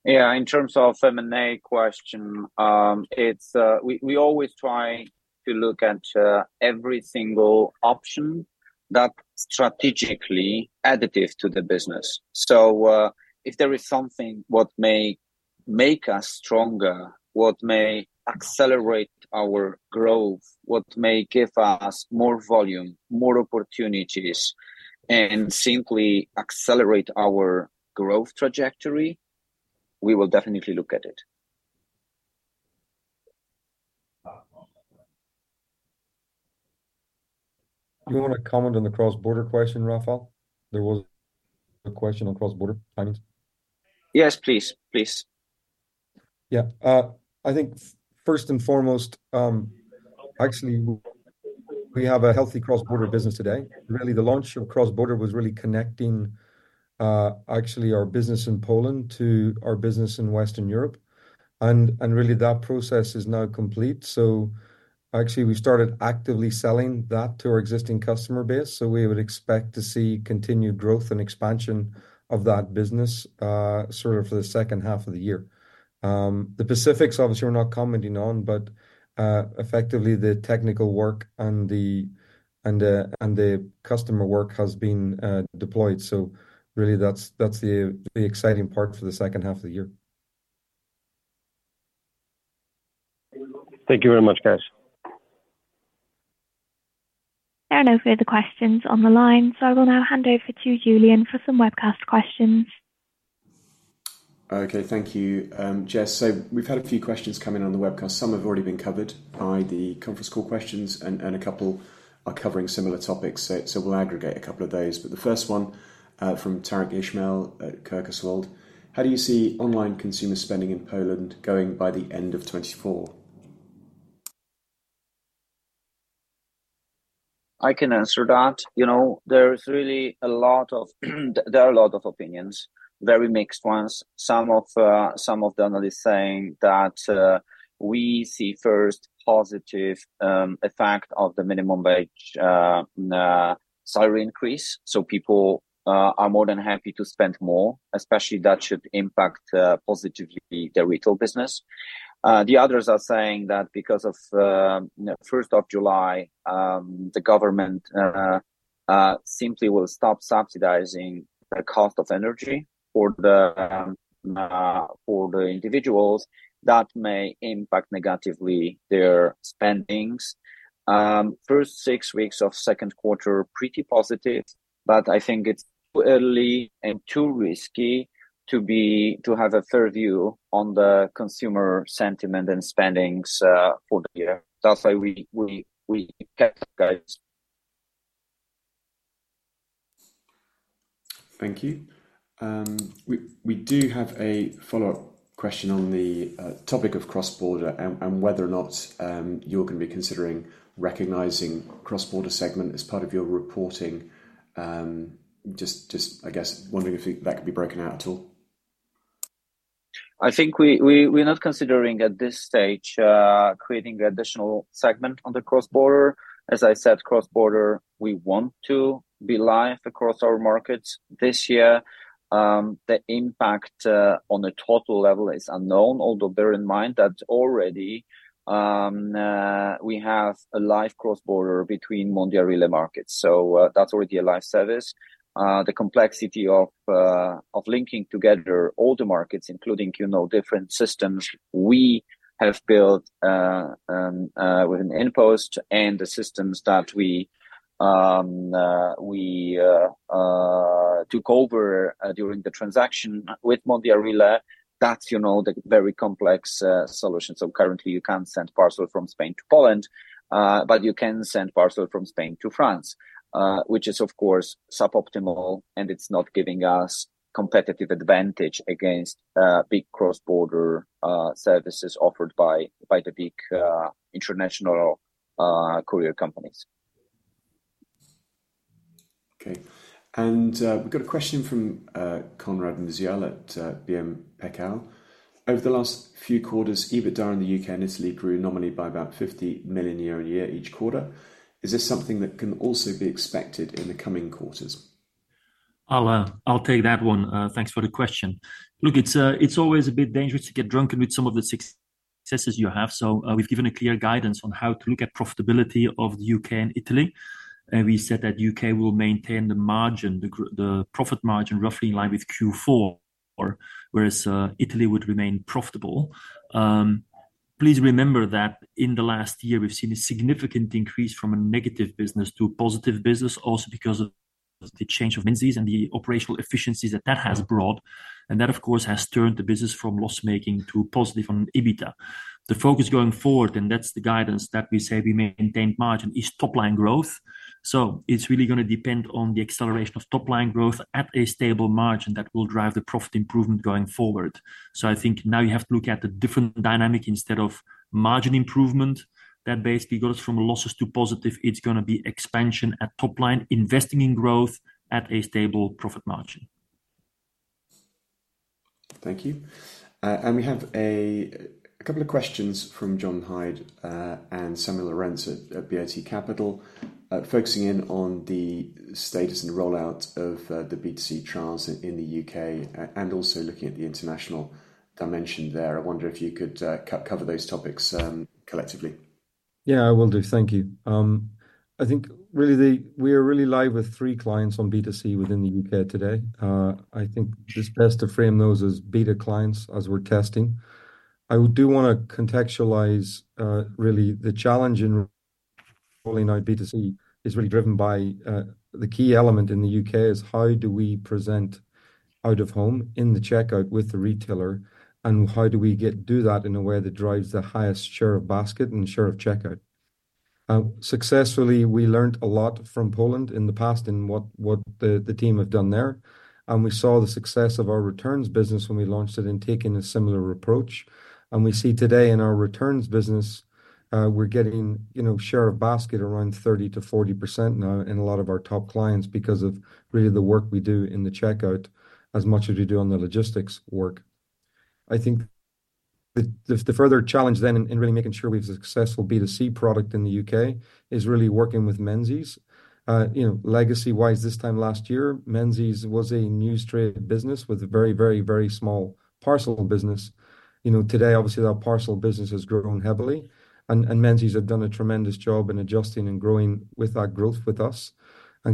Yeah. In terms of M&A question, we always try to look at every single option that's strategically additive to the business. So if there is something what may make us stronger, what may accelerate our growth, what may give us more volume, more opportunities, and simply accelerate our growth trajectory, we will definitely look at it. You want to comment on the cross-border question, Rafał? There was a question on cross-border timings. Yes, please. Please. Yeah. I think first and foremost, actually, we have a healthy cross-border business today. Really, the launch of cross-border was really connecting, actually, our business in Poland to our business in Western Europe. And really, that process is now complete. So actually, we started actively selling that to our existing customer base. So we would expect to see continued growth and expansion of that business sort of for the second half of the year. The specifics, obviously, we're not commenting on, but effectively, the technical work and the customer work has been deployed. So really, that's the exciting part for the second half of the year. Thank you very much, guys. There are no further questions on the line. I will now hand over to Julian for some webcast questions. Okay. Thank you, Jess. So we've had a few questions coming on the webcast. Some have already been covered by the conference call questions, and a couple are covering similar topics. So we'll aggregate a couple of those. But the first one from Tarek Ismail at Kepler Cheuvreux. How do you see online consumer spending in Poland going by the end of 2024? I can answer that. There are a lot of opinions, very mixed ones. Some of the analysts saying that we see first positive effect of the minimum wage salary increase. So people are more than happy to spend more, especially that should impact positively the retail business. The others are saying that because of 1st of July, the government simply will stop subsidizing the cost of energy for the individuals. That may impact negatively their spendings. First six weeks of second quarter, pretty positive. But I think it's too early and too risky to have a fair view on the consumer sentiment and spendings for the year. That's why we kept guys. Thank you. We do have a follow-up question on the topic of cross-border and whether or not you're going to be considering recognizing cross-border segment as part of your reporting. Just, I guess, wondering if that could be broken out at all. I think we're not considering at this stage creating an additional segment on the cross-border. As I said, cross-border, we want to be live across our markets this year. The impact on a total level is unknown, although bear in mind that already we have a live cross-border between Mondial Relay markets. So that's already a live service. The complexity of linking together all the markets, including different systems we have built within InPost and the systems that we took over during the transaction with Mondial Relay, that's the very complex solution. So currently, you can't send parcels from Spain to Poland, but you can send parcels from Spain to France, which is, of course, suboptimal, and it's not giving us competitive advantage against big cross-border services offered by the big international courier companies. Okay. And we've got a question from Konrad Musiał at BM Pekao. Over the last few quarters, EBITDA in the U.K. and Italy grew nominally by about 50 million euro year-over-year each quarter. Is this something that can also be expected in the coming quarters? I'll take that one. Thanks for the question. Look, it's always a bit dangerous to get drunk on some of the successes you have. So we've given a clear guidance on how to look at profitability of the U.K. and Italy. And we said that the U.K. will maintain the profit margin roughly in line with Q4, whereas Italy would remain profitable. Please remember that in the last year, we've seen a significant increase from a negative business to a positive business also because of the change of Menzies and the operational efficiencies that that has brought. That, of course, has turned the business from loss-making to positive on EBITDA. The focus going forward, and that's the guidance that we say we maintained margin, is top-line growth. It's really going to depend on the acceleration of top-line growth at a stable margin that will drive the profit improvement going forward. I think now you have to look at a different dynamic instead of margin improvement that basically got us from losses to positive. It's going to be expansion at top-line, investing in growth at a stable profit margin. Thank you. We have a couple of questions from John Hyde and Samuel Lorenz at BAT Capital, focusing in on the status and rollout of the B2C trials in the U.K. and also looking at the international dimension there. I wonder if you could cover those topics collectively. Yeah, I will do. Thank you. I think really we are really live with three clients on B2C within the U.K. today. I think it's best to frame those as beta clients as we're testing. I do want to contextualize really the challenge in rolling out B2C is really driven by the key element in the U.K. is how do we present out of home in the checkout with the retailer, and how do we do that in a way that drives the highest share of basket and share of checkout. Successfully, we learned a lot from Poland in the past in what the team have done there. And we saw the success of our returns business when we launched it and taken a similar approach. We see today in our returns business, we're getting share of basket around 30%-40% now in a lot of our top clients because of really the work we do in the checkout as much as we do on the logistics work. I think the further challenge then in really making sure we have a successful B2C product in the U.K. is really working with Menzies. Legacy-wise, this time last year, Menzies was a news trade business with a very, very, very small parcel business. Today, obviously, that parcel business has grown heavily. Menzies have done a tremendous job in adjusting and growing with that growth with us.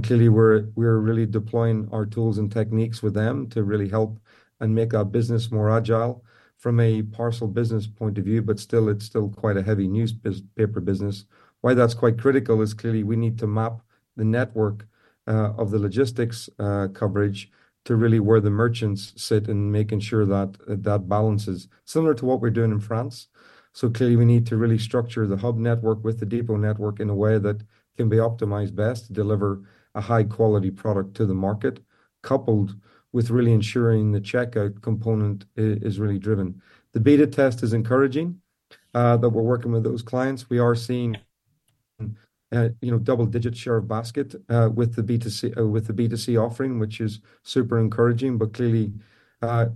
Clearly, we're really deploying our tools and techniques with them to really help and make our business more agile from a parcel business point of view, but still, it's still quite a heavy newspaper business. Why that's quite critical is clearly we need to map the network of the logistics coverage to really where the merchants sit and making sure that that balances, similar to what we're doing in France. So clearly, we need to really structure the hub network with the depot network in a way that can be optimized best to deliver a high-quality product to the market, coupled with really ensuring the checkout component is really driven. The beta test is encouraging that we're working with those clients. We are seeing a double-digit share of basket with the B2C offering, which is super encouraging. But clearly,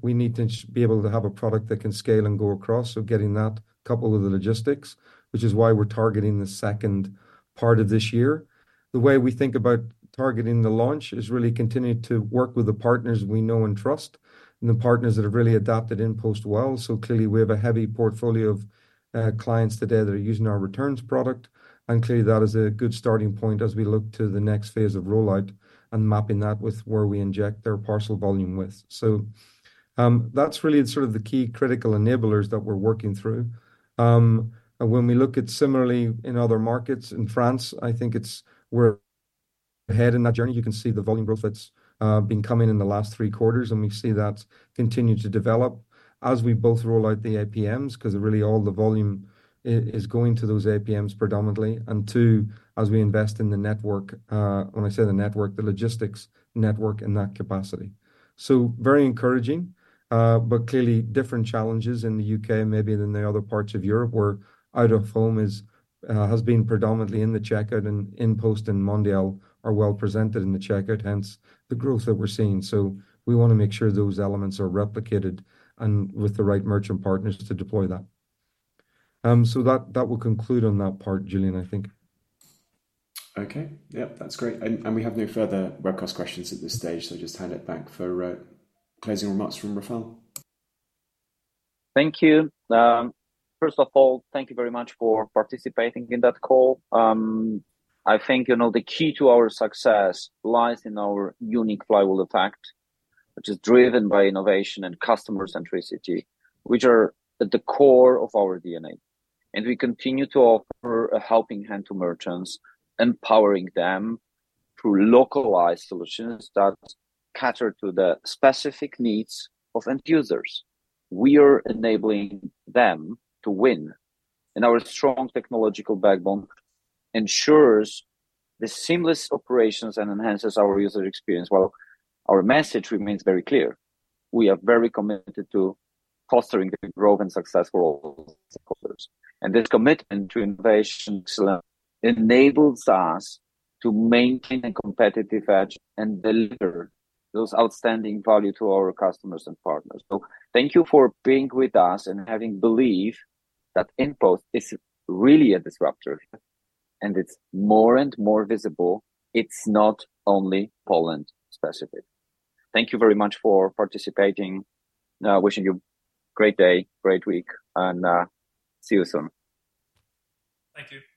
we need to be able to have a product that can scale and go across. So getting that coupled with the logistics, which is why we're targeting the second part of this year. The way we think about targeting the launch is really continue to work with the partners we know and trust and the partners that have really adapted InPost well. So clearly, we have a heavy portfolio of clients today that are using our returns product. And clearly, that is a good starting point as we look to the next phase of rollout and mapping that with where we inject their parcel volume with. So that's really sort of the key critical enablers that we're working through. When we look at similarly in other markets, in France, I think it's we're ahead in that journey. You can see the volume growth that's been coming in the last three quarters. And we see that continue to develop as we both rollout the APMs because really all the volume is going to those APMs predominantly. And two, as we invest in the network, when I say the network, the logistics network, in that capacity. So very encouraging. But clearly, different challenges in the U.K. maybe than the other parts of Europe where out of home has been predominantly in the checkout and InPost and Mondial are well presented in the checkout, hence the growth that we're seeing. So we want to make sure those elements are replicated and with the right merchant partners to deploy that. So that will conclude on that part, Julian, I think. Okay. Yep. That's great. And we have no further webcast questions at this stage. So I'll just hand it back for closing remarks from Rafał. Thank you. First of all, thank you very much for participating in that call. I think the key to our success lies in our unique flywheel effect, which is driven by innovation and customer centricity, which are at the core of our DNA. We continue to offer a helping hand to merchants, empowering them through localized solutions that cater to the specific needs of end users. We are enabling them to win. Our strong technological backbone ensures the seamless operations and enhances our user experience while our message remains very clear. We are very committed to fostering the growth and success for all stakeholders. This commitment to innovation enables us to maintain a competitive edge and deliver those outstanding value to our customers and partners. Thank you for being with us and having believed that InPost is really a disruptor. It's more and more visible. It's not only Poland specific. Thank you very much for participating. Wishing you a great day, great week, and see you soon. Thank you.